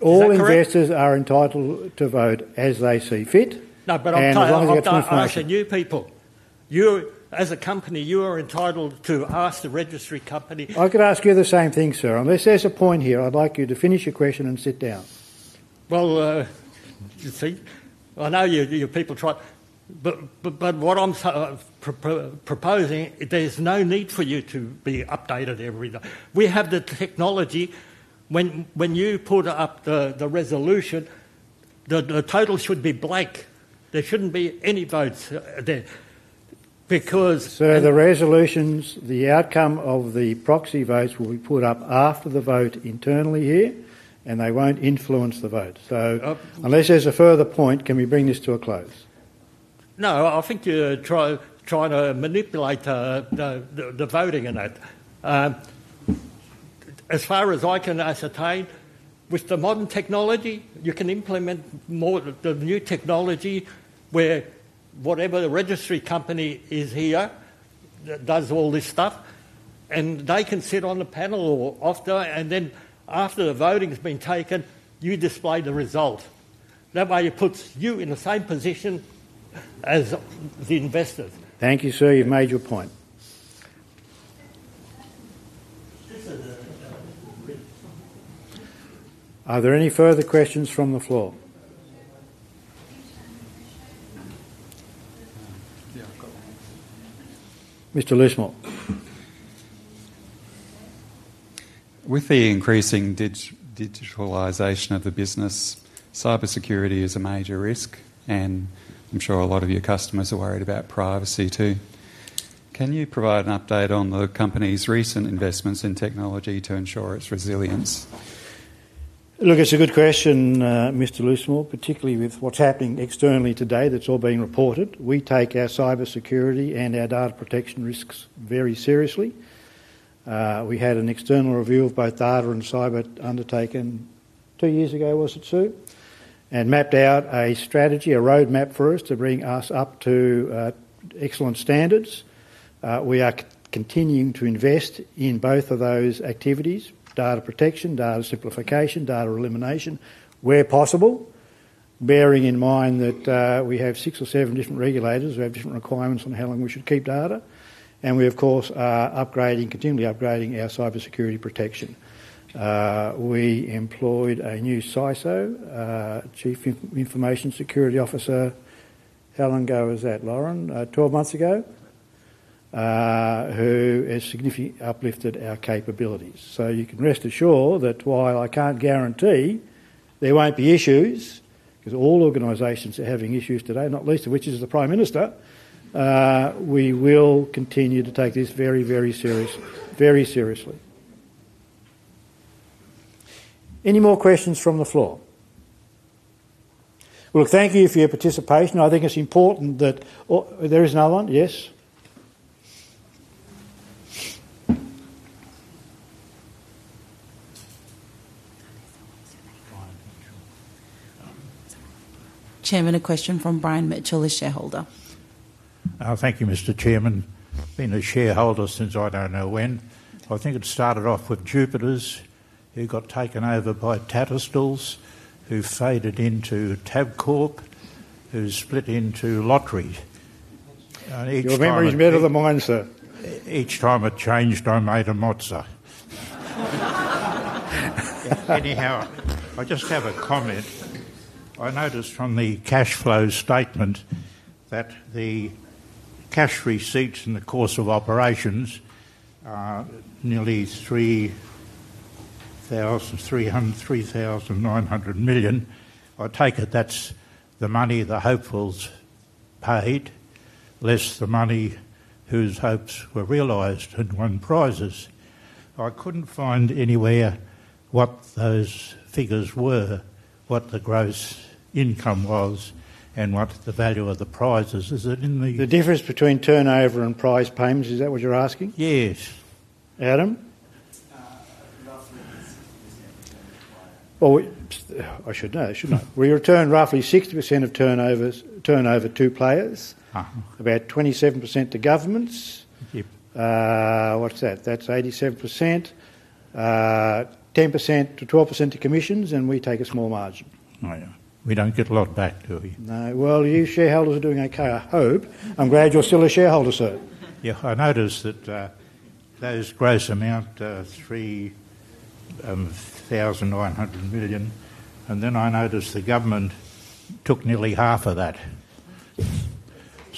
all investors are entitled to vote as they see fit. No, I'm trying to encourage the new people. You, as a company, are entitled to ask the registry company. I could ask you the same thing, sir. Unless there's a point here, I'd like you to finish your question and sit down. I know your people try, but what I'm proposing, there's no need for you to be updated every day. We have the technology. When you put up the resolution, the total should be blank. There shouldn't be any votes there because. Sir, the resolutions, the outcome of the proxy votes will be put up after the vote internally here, and they won't influence the vote. Unless there's a further point, can we bring this to a close? No, I think you're trying to manipulate the voting in that. As far as I can ascertain, with the modern technology, you can implement more of the new technology where whatever the registry company is here does all this stuff, and they can sit on the panel or off the panel, and then after the voting's been taken, you display the result. That way, it puts you in the same position as the investors. Thank you, sir. You've made your point. Are there any further questions from the floor? Mr. Loosemore. With the increasing digitalization of the business, cybersecurity is a major risk, and I'm sure a lot of your customers are worried about privacy too. Can you provide an update on the company's recent investments in technology to ensure its resilience? It's a good question, Mr. Loosemore, particularly with what's happening externally today that's all being reported. We take our cybersecurity and our data protection risks very seriously. We had an external review of both data and cyber undertaken two years ago, was it, Sue, and mapped out a strategy, a roadmap for us to bring us up to excellent standards. We are continuing to invest in both of those activities, data protection, data simplification, data elimination where possible, bearing in mind that we have six or seven different regulators. We have different requirements on how long we should keep data, and we, of course, are continually upgrading our cybersecurity protection. We employed a new CISO, Chief Information Security Officer. How long ago was that, Loren? 12 months ago, who has significantly uplifted our capabilities. You can rest assured that while I can't guarantee there won't be issues, because all organizations are having issues today, not least of which is the Prime Minister, we will continue to take this very, very seriously. Any more questions from the floor? Thank you for your participation. I think it's important that there is another one, yes. Chairman, a question from Brian Mitchell, a shareholder. Oh, thank you, Mr. Chairman. Been a shareholder since I don't know when. I think it started off with Jupiters, who got taken over by Tattscorp, who faded into Tabcorp, who split into Lottery. Your memory's better than mine, sir. Each time it changed, I made a mozza. Anyhow, I just have a comment. I noticed from the cash flow statement that the cash receipts in the course of operations are nearly 3.9 million. I take it that's the money the hopefuls paid, less the money whose hopes were realised and won prizes. I couldn't find anywhere what those figures were, what the gross income was, and what the value of the prizes. Is it in the... The difference between turnover and prize payments, is that what you're asking? Yes. Adam? Roughly 60% of turnover. I should know, shouldn't I? We return roughly 60% of turnover to players, about 27% to governments. Yep. What's that? That's 87%, 10%-12% to commissions, and we take a small margin. Oh, yeah, we don't get a lot back, do we? No, you shareholders are doing okay, I hope. I'm glad you're still a shareholder, sir. Yeah, I noticed that those gross amounts are 3.9 million, and then I noticed the government took nearly half of that.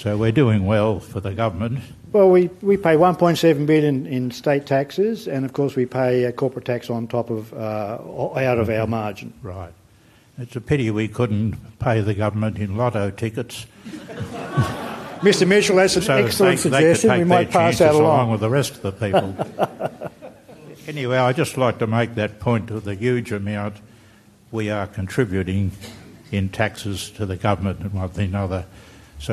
We're doing well for the government. We pay 1.7 million in state taxes, and of course, we pay a corporate tax on top out of our margin. Right. It's a pity we couldn't pay the government in Lotto tickets. Mr. Mitchell, that's an excellent suggestion. I think we might pass that along with the rest of the people. Anyway, I'd just like to make that point of the huge amount we are contributing in taxes to the government and one thing or another.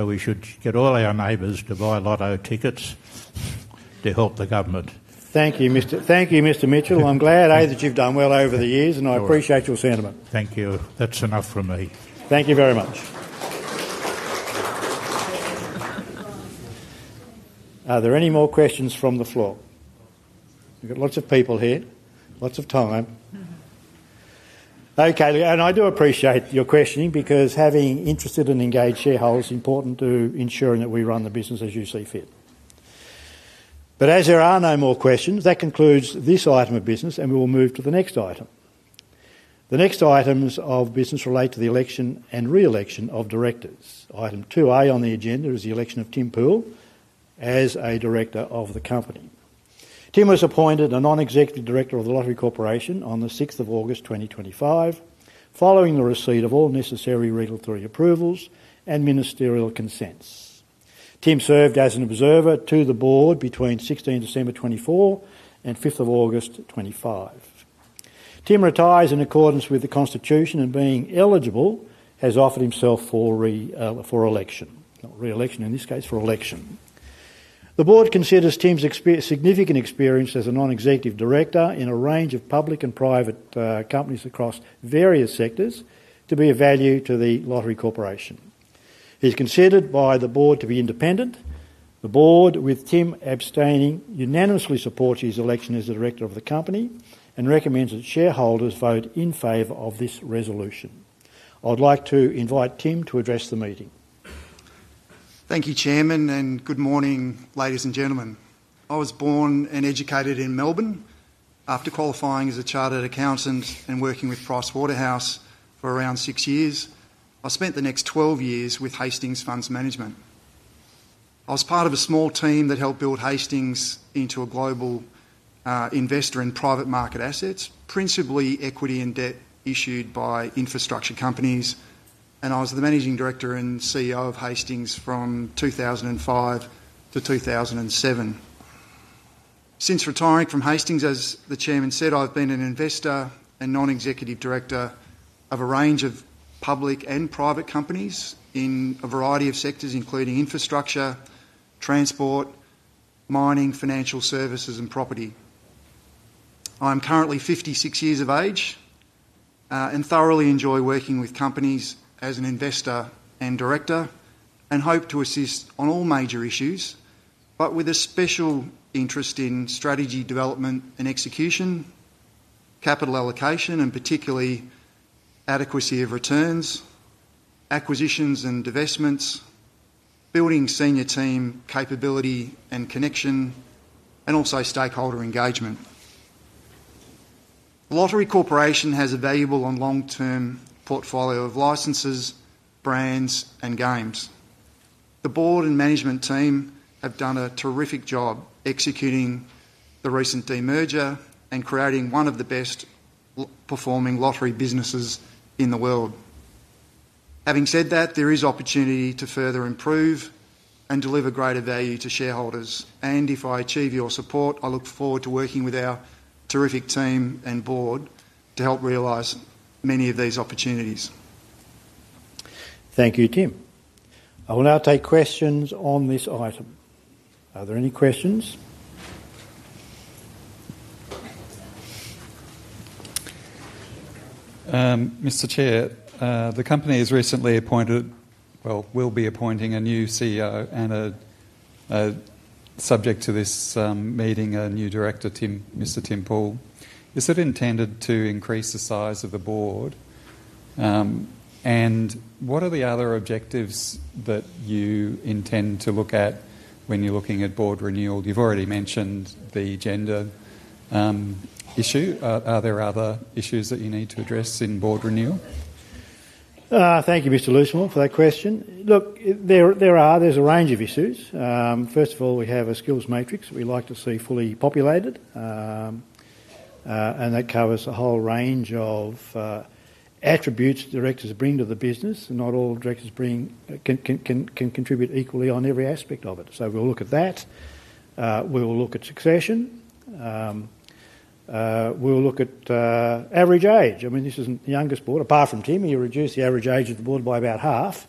We should get all our neighbors to buy lotto tickets to help the government. Thank you, Mr. Mitchell. I'm glad, A, that you've done well over the years, and I appreciate your sentiment. Thank you. That's enough from me. Thank you very much. Are there any more questions from the floor? We've got lots of people here, lots of time. I do appreciate your questioning because having interested and engaged shareholders is important to ensuring that we run the business as you see fit. As there are no more questions, that concludes this item of business, and we will move to the next item. The next items of business relate to the election and re-election of directors. Item 2A on the agenda is the election of Tim Poole as a director of the company. Tim was appointed a Non-Executive Director of The Lottery Corporation on the 6th of August 2025, following the receipt of all necessary regulatory approvals and ministerial consents. Tim served as an observer to the Board between 16 December 2024 and 5th of August 2025. Tim retires in accordance with the Constitution and, being eligible, has offered himself for election. The Board considers Tim's significant experience as a Non-Executive Director in a range of public and private companies across various sectors to be of value to The Lottery Corporation. He's considered by the Board to be independent. The Board, with Tim abstaining, unanimously supports his election as the director of the company and recommends that shareholders vote in favor of this resolution. I'd like to invite Tim to address the meeting. Thank you, Chairman, and good morning, ladies and gentlemen. I was born and educated in Melbourne. After qualifying as a chartered accountant and working with Price Waterhouse for around six years, I spent the next 12 years with Hastings Funds Management. I was part of a small team that helped build Hastings into a global investor in private market assets, principally equity and debt issued by infrastructure companies, and I was the Managing Director and CEO of Hastings from 2005-2007. Since retiring from Hastings, as the Chairman said, I've been an investor and non-executive director of a range of public and private companies in a variety of sectors, including infrastructure, transport, mining, financial services, and property. I'm currently 56 years of age and thoroughly enjoy working with companies as an investor and director and hope to assist on all major issues, with a special interest in strategy development and execution, capital allocation, and particularly adequacy of returns, acquisitions and divestments, building senior team capability and connection, and also stakeholder engagement. The Lottery Corporation has a valuable and long-term portfolio of licenses, brands, and games. The Board and management team have done a terrific job executing the recent de-merger and creating one of the best-performing lottery businesses in the world. There is opportunity to further improve and deliver greater value to shareholders, and if I achieve your support, I look forward to working with our terrific team and Board to help realize many of these opportunities. Thank you, Tim. I will now take questions on this item. Are there any questions? Mr. Chair, the company has recently appointed, or will be appointing, a new CEO and, subject to this meeting, a new director, Mr. Tim Poole. Is it intended to increase the size of the Board, and what are the other objectives that you intend to look at when you're looking at Board renewal? You've already mentioned the gender issue. Are there other issues that you need to address in Board renewal? Thank you, Mr. Loosemore, for that question. There are a range of issues. First of all, we have a skills matrix that we'd like to see fully populated, and that covers a whole range of attributes directors bring to the business, and not all directors can contribute equally on every aspect of it. We'll look at that. We will look at succession. We'll look at average age. I mean, this isn't the youngest board, apart from Tim, you reduce the average age of the board by about half.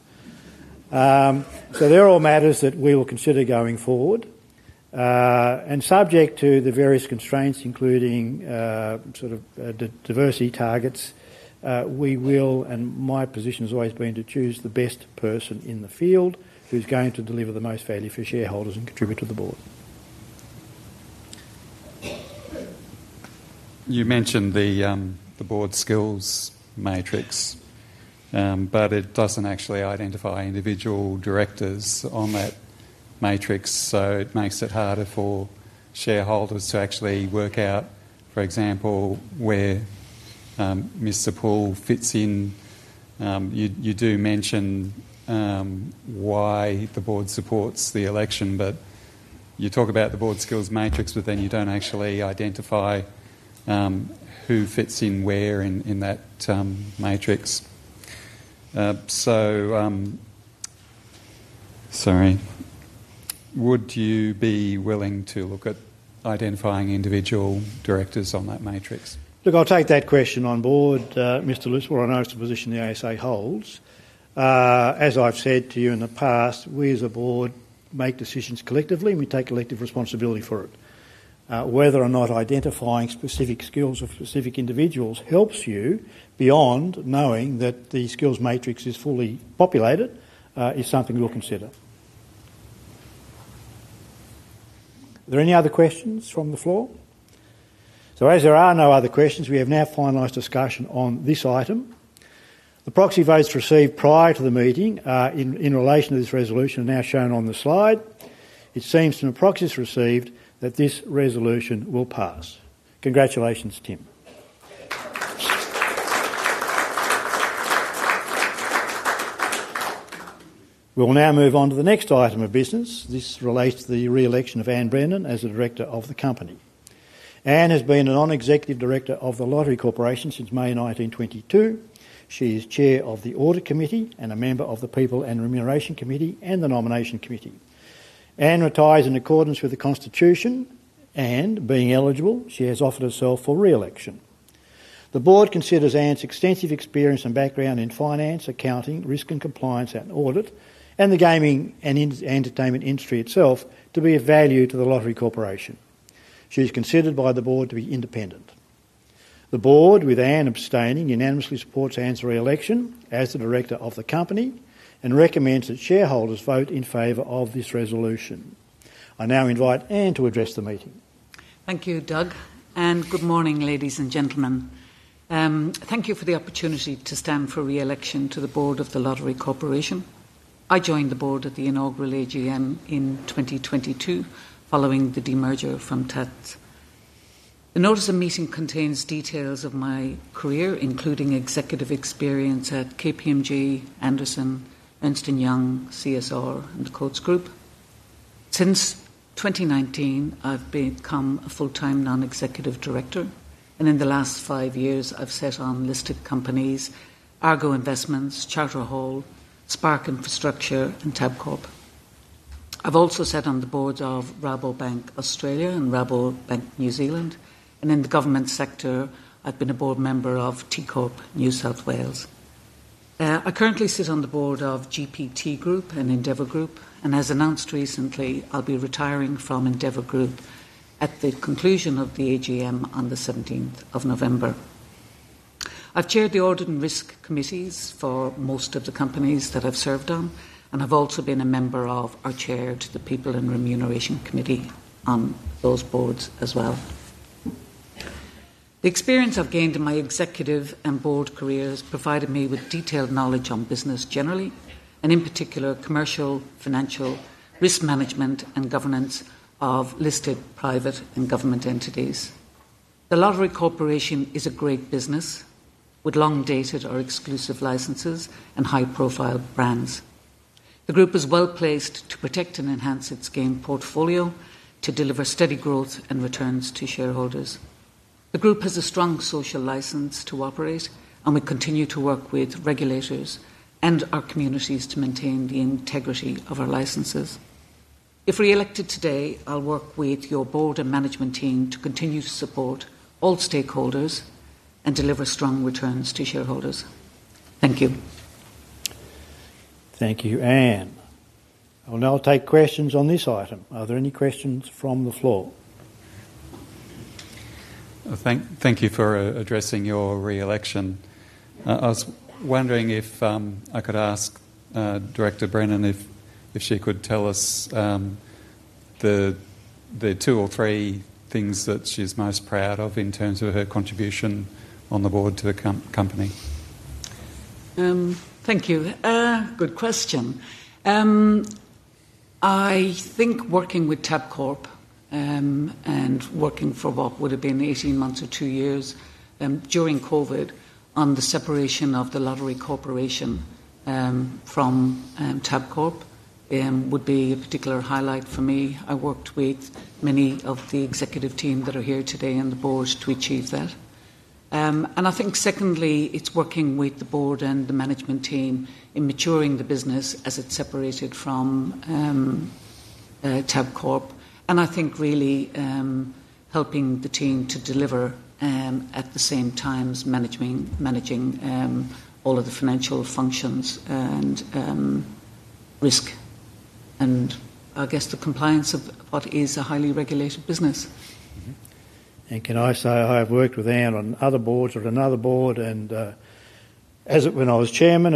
They're all matters that we will consider going forward, and subject to the various constraints, including sort of diversity targets, we will, and my position has always been to choose the best person in the field who's going to deliver the most value for shareholders and contribute to the board. You mentioned the board skills matrix, but it doesn't actually identify individual directors on that matrix, so it makes it harder for shareholders to actually work out, for example, where Mr. Poole fits in. You do mention why the board supports the election, but you talk about the board skills matrix, and then you don't actually identify who fits in where in that matrix. Would you be willing to look at identifying individual directors on that matrix? I'll take that question on board, Mr. Loosemore. I know it's the position the ASA holds. As I've said to you in the past, we as a board make decisions collectively, and we take collective responsibility for it. Whether or not identifying specific skills of specific individuals helps you beyond knowing that the skills matrix is fully populated is something we'll consider. Are there any other questions from the floor? As there are no other questions, we have now finalized discussion on this item. The proxy votes received prior to the meeting in relation to this resolution are now shown on the slide. It seems from the proxies received that this resolution will pass. Congratulations, Tim. We'll now move on to the next item of business. This relates to the re-election of Anne Brennan as the director of the company. Anne has been a non-executive director of The Lottery Corporation since May 2022. She is Chair of the Audit Committee and a member of the People and Remuneration Committee and the Nomination Committee. Anne retires in accordance with the Constitution, and being eligible, she has offered herself for re-election. The board considers Anne's extensive experience and background in finance, accounting, risk and compliance, and audit, and the gaming and entertainment industry itself to be of value to The Lottery Corporation. She's considered by the board to be independent. The board, with Anne abstaining, unanimously supports Anne's re-election as the director of the company and recommends that shareholders vote in favor of this resolution. I now invite Anne to address the meeting. Thank you, Doug, and good morning, ladies and gentlemen. Thank you for the opportunity to stand for re-election to the Board of The Lottery Corporation. I joined the Board at the inaugural AGM in 2022, following the de-merger from Tats. The notice of meeting contains details of my career, including executive experience at KPMG, Andersen, Ernst & Young, CSR, and the Coats Group. Since 2019, I've become a full-time Non-Executive Director, and in the last five years, I've sat on listed companies: Argo Investments, Charter Hall, Spark Infrastructure, and Tabcorp. I've also sat on the boards of Rabobank Australia and Rabobank New Zealand, and in the government sector, I've been a board member of TCorp New South Wales. I currently sit on the Board of GPT Group and Endeavour Group, and as announced recently, I'll be retiring from Endeavour Group at the conclusion of the AGM on the 17th of November. I've chaired the Audit and Risk Committees for most of the companies that I've served on, and I've also been a member or Chair to the People and Remuneration Committee on those boards as well. The experience I've gained in my executive and board careers provided me with detailed knowledge on business generally, and in particular, commercial, financial, risk management, and governance of listed private and government entities. The Lottery Corporation is a great business with long-dated or exclusive licenses and high-profile brands. The group is well-placed to protect and enhance its game portfolio to deliver steady growth and returns to shareholders. The group has a strong social license to operate, and we continue to work with regulators and our communities to maintain the integrity of our licenses. If re-elected today, I'll work with your Board and management team to continue to support all stakeholders and deliver strong returns to shareholders. Thank you. Thank you, Anne. I'll now take questions on this item. Are there any questions from the floor? Thank you for addressing your re-election. I was wondering if I could ask Director Brennan if she could tell us the two or three things that she's most proud of in terms of her contribution on the Board to the company. Thank you. Good question. I think working with Tabcorp and working for what would have been 18 months or two years during COVID on the separation of The Lottery Corporation from Tabcorp would be a particular highlight for me. I worked with many of the executive team that are here today and the Board to achieve that. I think secondly, it's working with the Board and the management team in maturing the business as it's separated from Tabcorp, and I think really helping the team to deliver at the same time as managing all of the financial functions and risk, and the compliance of what is a highly regulated business. Can I say I've worked with Anne on other boards at another board, and when I was Chairman,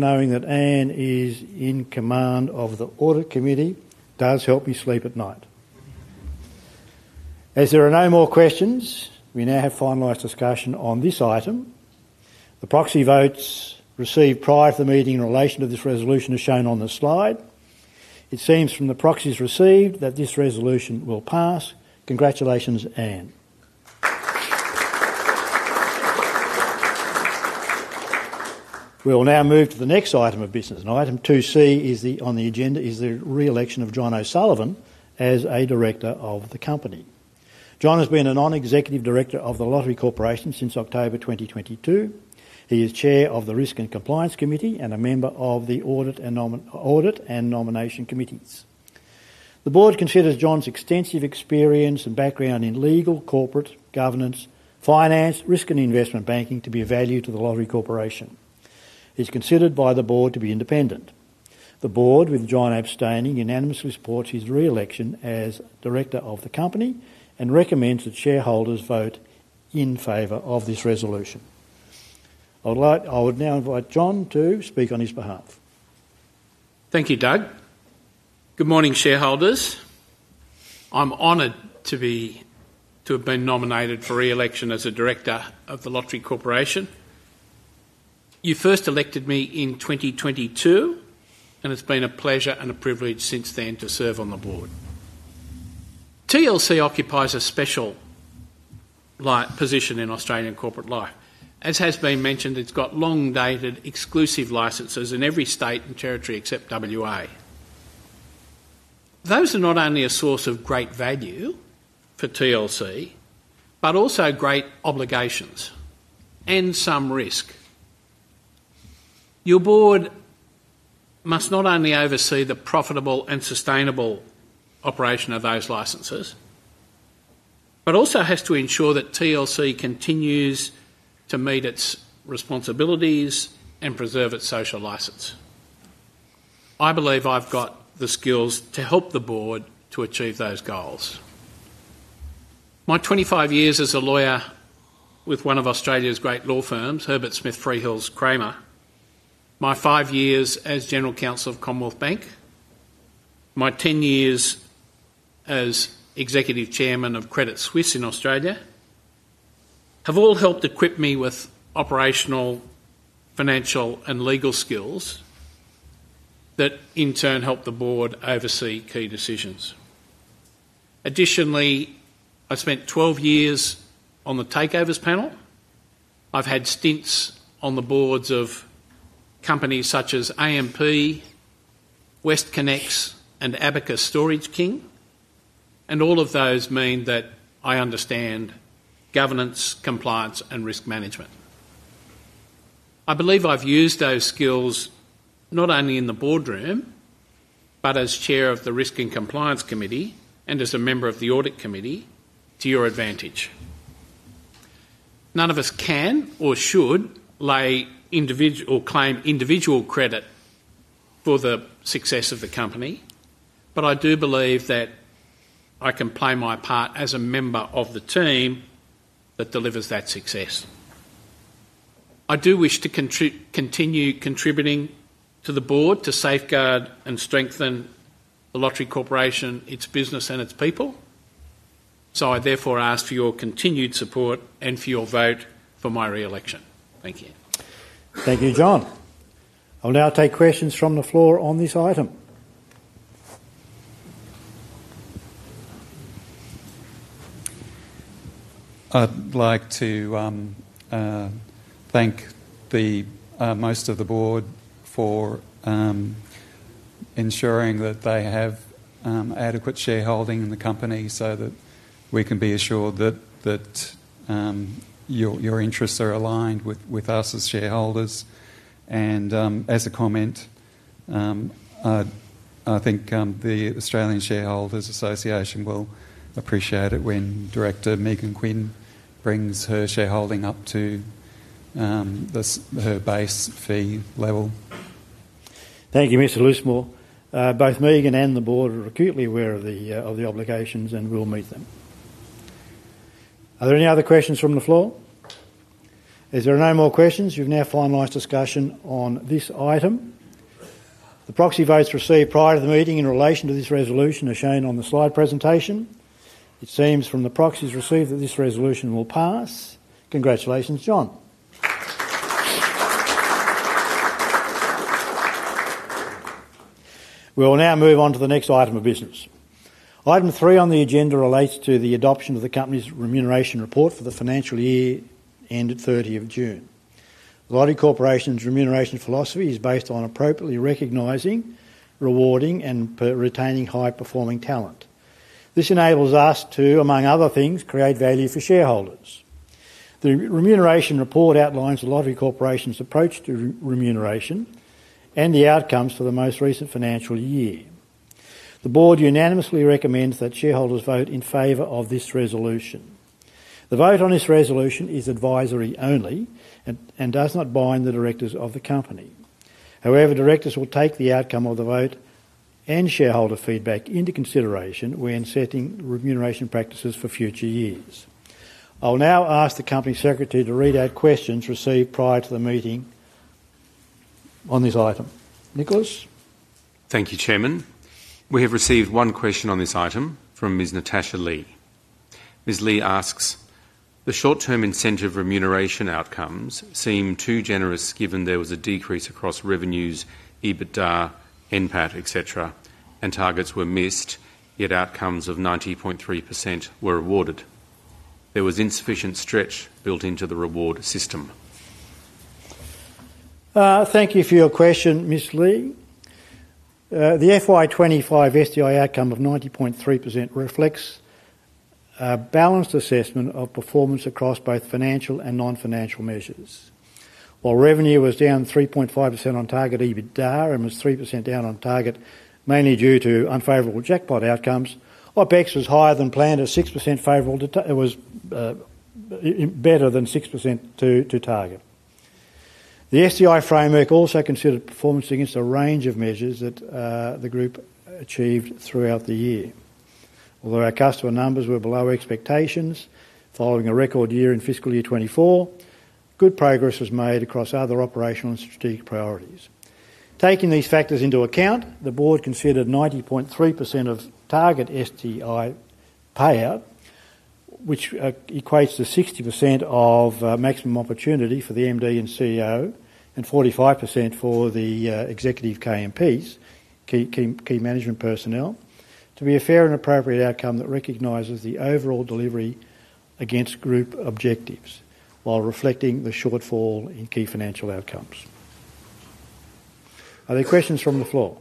knowing that Anne is in command of the Audit Committee does help me sleep at night. As there are no more questions, we now have finalized discussion on this item. The proxy votes received prior to the meeting in relation to this resolution are shown on the slide. It seems from the proxies received that this resolution will pass. Congratulations, Anne. We'll now move to the next item of business. Item 2C on the agenda is the re-election of John O'Sullivan as a director of the company. John has been a Non-Executive Director of The Lottery Corporation since October 2022. He is Chair of the Risk and Compliance Committee and a member of the Audit and Nomination Committees. The Board considers John's extensive experience and background in legal, corporate, governance, finance, risk, and investment banking to be of value to The Lottery Corporation. He's considered by the Board to be independent. The Board, with John abstaining, unanimously supports his re-election as Director of the company and recommends that shareholders vote in favor of this resolution. I would now invite John to speak on his behalf. Thank you, Doug. Good morning, shareholders. I'm honored to have been nominated for re-election as a director of The Lottery Corporation. You first elected me in 2022, and it's been a pleasure and a privilege since then to serve on the board. A special position in Australian corporate life. As has been mentioned, it's got long-dated, exclusive licenses in every state and territory except WA. Those are not only a source of great value for The Lottery Corporation, but also great obligations and some risk. Your Board must not only oversee the profitable and sustainable operation of those licenses, but also has to ensure that The Lottery Corporation continues to meet its responsibilities and preserve its social license. I believe I've got the skills to help the Board to achieve those goals. My 25 years as a lawyer with one of Australia's great law firms, Herbert Smith Freehills, my five years as General Counsel of Commonwealth Bank, my ten years as Executive Chairman of Credit Suisse in Australia, have all helped equip me with operational, financial, and legal skills that in turn help the Board oversee key decisions. Additionally, I spent 12 years on the Takeovers Panel. I've had stints on the boards of companies such as AMP, WestConnex, and Abacus Storage King, and all of those mean that I understand governance, compliance, and risk management. I believe I've used those skills not only in the boardroom, but as Chair of the Risk and Compliance Committee and as a member of the Audit Committee to your advantage. None of us can or should claim individual credit for the success of the company, but I do believe that I can play my part as a member of the team that delivers that success. I do wish to continue contributing to the Board to safeguard and strengthen The Lottery Corporation, its business, and its people, so I therefore ask for your continued support and for your vote for my reelection. Thank you. Thank you, John. I'll now take questions from the floor on this item. I'd like to thank most of the Board for ensuring that they have adequate shareholding in the company so that we can be assured that your interests are aligned with us as shareholders. I think the Australian Shareholders Association will appreciate it when Director Megan Quinn brings her shareholding up to her base fee level. Thank you, Mr. Loosemore. Both Megan and the Board are acutely aware of the obligations and will meet them. Are there any other questions from the floor? If there are no more questions, you've now finalized discussion on this item. The proxy votes received prior to the meeting in relation to this resolution are shown on the slide presentation. It seems from the proxies received that this resolution will pass. Congratulations, John. We'll now move on to the next item of business. Item three on the agenda relates to the adoption of the company's remuneration report for the financial year ended June 30th. The Lottery Corporation's remuneration philosophy is based on appropriately recognizing, rewarding, and retaining high-performing talent. This enables us to, among other things, create value for shareholders. The remuneration report outlines The Lottery Corporation's approach to remuneration and the outcomes for the most recent financial year. The Board unanimously recommends that shareholders vote in favor of this resolution. The vote on this resolution is advisory only and does not bind the directors of the company. However, directors will take the outcome of the vote and shareholder feedback into consideration when setting remuneration practices for future years. I'll now ask the Company Secretary to read out questions received prior to the meeting on this item. Nicholas? Thank you, Chairman. We have received one question on this item from Ms. Natasha Lee. Ms. Lee asks, "The short-term incentive remuneration outcomes seem too generous given there was a decrease across revenues, EBITDA, NPAT, etc., and targets were missed, yet outcomes of 90.3% were awarded. There was insufficient stretch built into the reward system. Thank you for your question, Ms. Lee. The FY 2025 SDI outcome of 90.3% reflects a balanced assessment of performance across both financial and non-financial measures. While revenue was down 3.5% on target EBITDA and was 3% down on target mainly due to unfavorable jackpot outcomes, operating expenses were higher than planned at 6% favorable; it was better than 6% to target. The SDI framework also considered performance against a range of measures that the group achieved throughout the year. Although our customer numbers were below expectations following a record year in FY 2024, good progress was made across other operational and strategic priorities. Taking these factors into account, the Board considered 90.3% of target SDI payout, which equates to 60% of maximum opportunity for the Managing Director and CEO and 45% for the executive KMPs, key management personnel, to be a fair and appropriate outcome that recognizes the overall delivery against group objectives while reflecting the shortfall in key financial outcomes. Are there questions from the floor?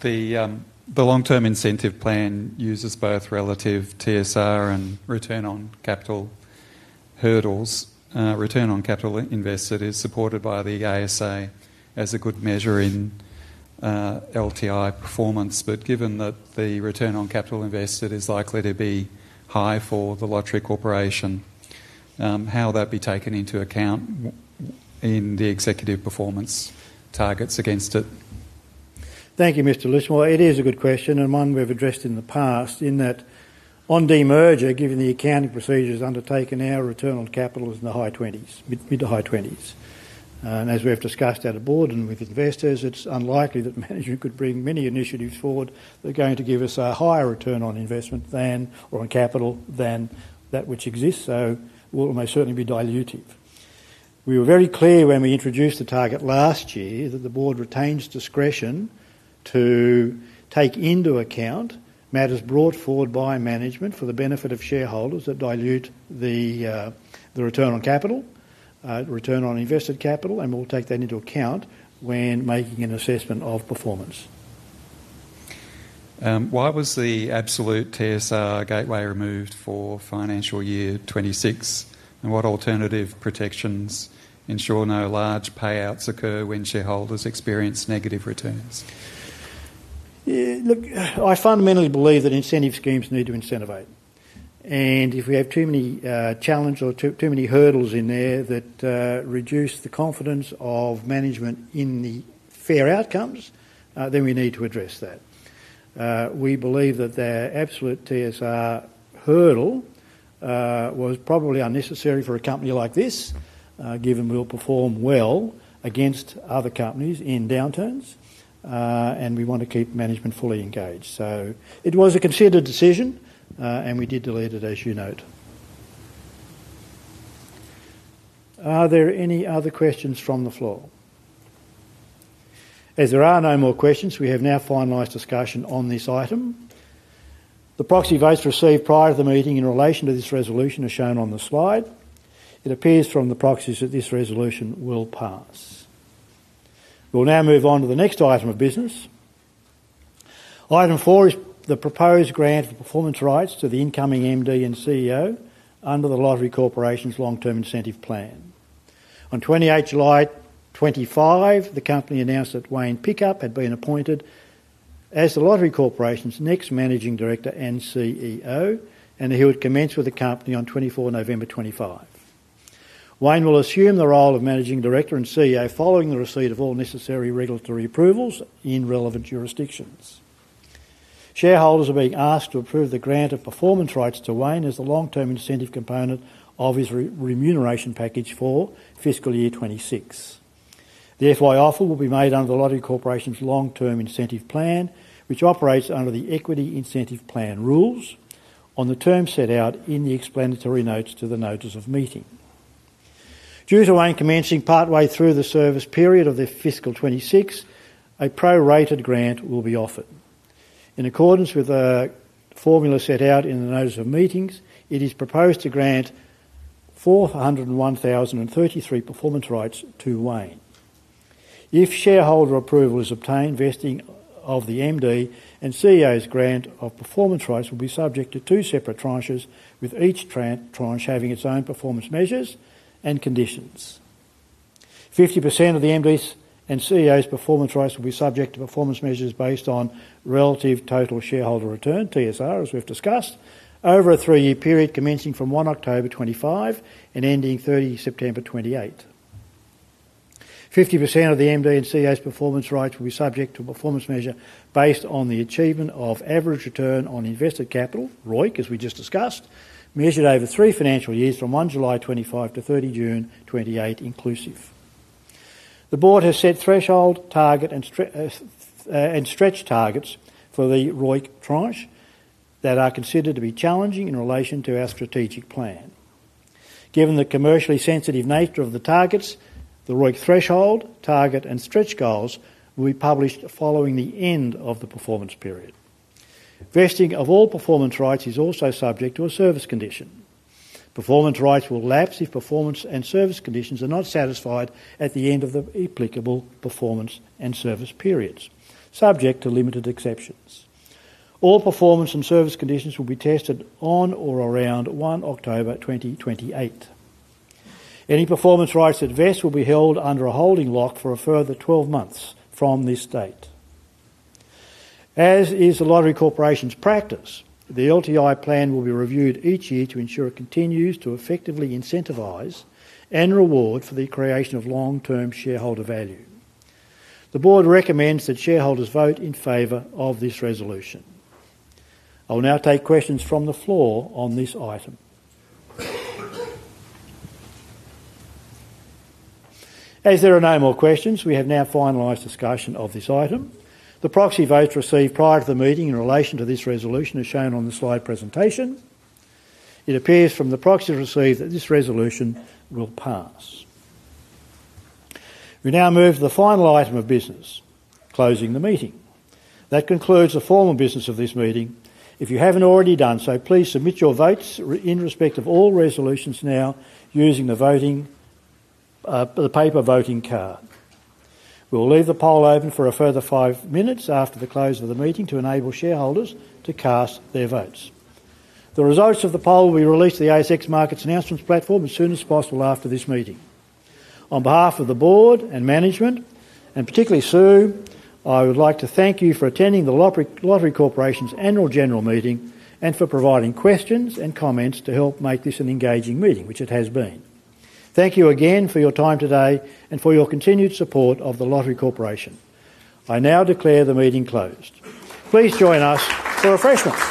The long-term incentive plan uses both relative TSR and return on capital hurdles. Return on capital invested is supported by the ASA as a good measure in LTI performance, but given that the return on capital invested is likely to be high for The Lottery Corporation, how will that be taken into account in the executive performance targets against it? Thank you, Mr. Loosemore. It is a good question and one we have addressed in the past. In that on-demerger, given the accounting procedures undertaken now, return on capital is in the high 20s, mid to high 20s. As we have discussed at the Board and with investors, it's unlikely that management could bring many initiatives forward that are going to give us a higher return on investment or on capital than that which exists, so it will most certainly be dilutive. We were very clear when we introduced the target last year that the Board retains discretion to take into account matters brought forward by management for the benefit of shareholders that dilute the return on capital, return on invested capital, and we'll take that into account when making an assessment of performance. Why was the absolute TSR gateway removed for financial year 2026, and what alternative protections ensure no large payouts occur when shareholders experience negative returns? Look, I fundamentally believe that incentive schemes need to incentivize, and if we have too many challenges or too many hurdles in there that reduce the confidence of management in the fair outcomes, then we need to address that. We believe that the absolute TSR hurdle was probably unnecessary for a company like this given we'll perform well against other companies in downturns, and we want to keep management fully engaged. It was a considered decision, and we did delete it, as you note. Are there any other questions from the floor? If there are no more questions, we have now finalized discussion on this item. The proxy votes received prior to the meeting in relation to this resolution are shown on the slide. It appears from the proxies that this resolution will pass. We'll now move on to the next item of business. Item four is the proposed grant for performance rights to the incoming MD and CEO under The Lottery Corporation's long-term incentive plan. On 28th of July, 2025, the company announced that Wayne Pickup had been appointed as The Lottery Corporation's next Managing Director and CEO, and he would commence with the company on 24th of November, 2025. Wayne will assume the role of Managing Director and CEO following the receipt of all necessary regulatory approvals in relevant jurisdictions. Shareholders are being asked to approve the grant of performance rights to Wayne as the long-term incentive component of his remuneration package for fiscal year 2026. The FY offer will be made under The Lottery Corporation's long-term incentive plan, which operates under the equity incentive plan rules on the terms set out in the explanatory notes to the notice of meeting. Due to Wayne commencing partway through the service period of fiscal 2026, a pro-rated grant will be offered. In accordance with the formula set out in the notice of meeting, it is proposed to grant 401,033 performance rights to Wayne. If shareholder approval is obtained, vesting of the MD and CEO's grant of performance rights will be subject to two separate tranches, with each tranche having its own performance measures and conditions. 50% of the MD's and CEO's performance rights will be subject to performance measures based on relative total shareholder return, TSR, as we've discussed, over a three-year period commencing from 1st of October, 2025 and ending 30th of September, 2028. 50% of the MD and CEO's performance rights will be subject to a performance measure based on the achievement of average return on invested capital, ROIC, as we just discussed, measured over three financial years from July 1st, 2025-June 30th, 2028, inclusive. The Board has set threshold, target, and stretch targets for the ROIC tranche that are considered to be challenging in relation to our strategic plan. Given the commercially sensitive nature of the targets, the ROIC threshold, target, and stretch goals will be published following the end of the performance period. Vesting of all performance rights is also subject to a service condition. Performance rights will lapse if performance and service conditions are not satisfied at the end of the applicable performance and service periods, subject to limited exceptions. All performance and service conditions will be tested on or around October 1st, 2028. Any performance rights that vest will be held under a holding lock for a further 12 months from this date. As is The Lottery Corporation's practice, the LTI plan will be reviewed each year to ensure it continues to effectively incentivize and reward for the creation of long-term shareholder value. The Board recommends that shareholders vote in favor of this resolution. I'll now take questions from the floor on this item. If there are no more questions, we have now finalized discussion of this item. The proxy votes received prior to the meeting in relation to this resolution are shown on the slide presentation. It appears from the proxies received that this resolution will pass. We now move to the final item of business, closing the meeting. That concludes the formal business of this meeting. If you haven't already done so, please submit your votes in respect of all resolutions now using the paper voting card. We'll leave the poll open for a further five minutes after the close of the meeting to enable shareholders to cast their votes. The results of the poll will be released to the ASX markets announcements platform as soon as possible after this meeting. On behalf of the Board and management, and particularly Sue, I would like to thank you for attending The Lottery Corporation's annual general meeting and for providing questions and comments to help make this an engaging meeting, which it has been. Thank you again for your time today and for your continued support of The Lottery Corporation. I now declare the meeting closed. Please join us for refreshments.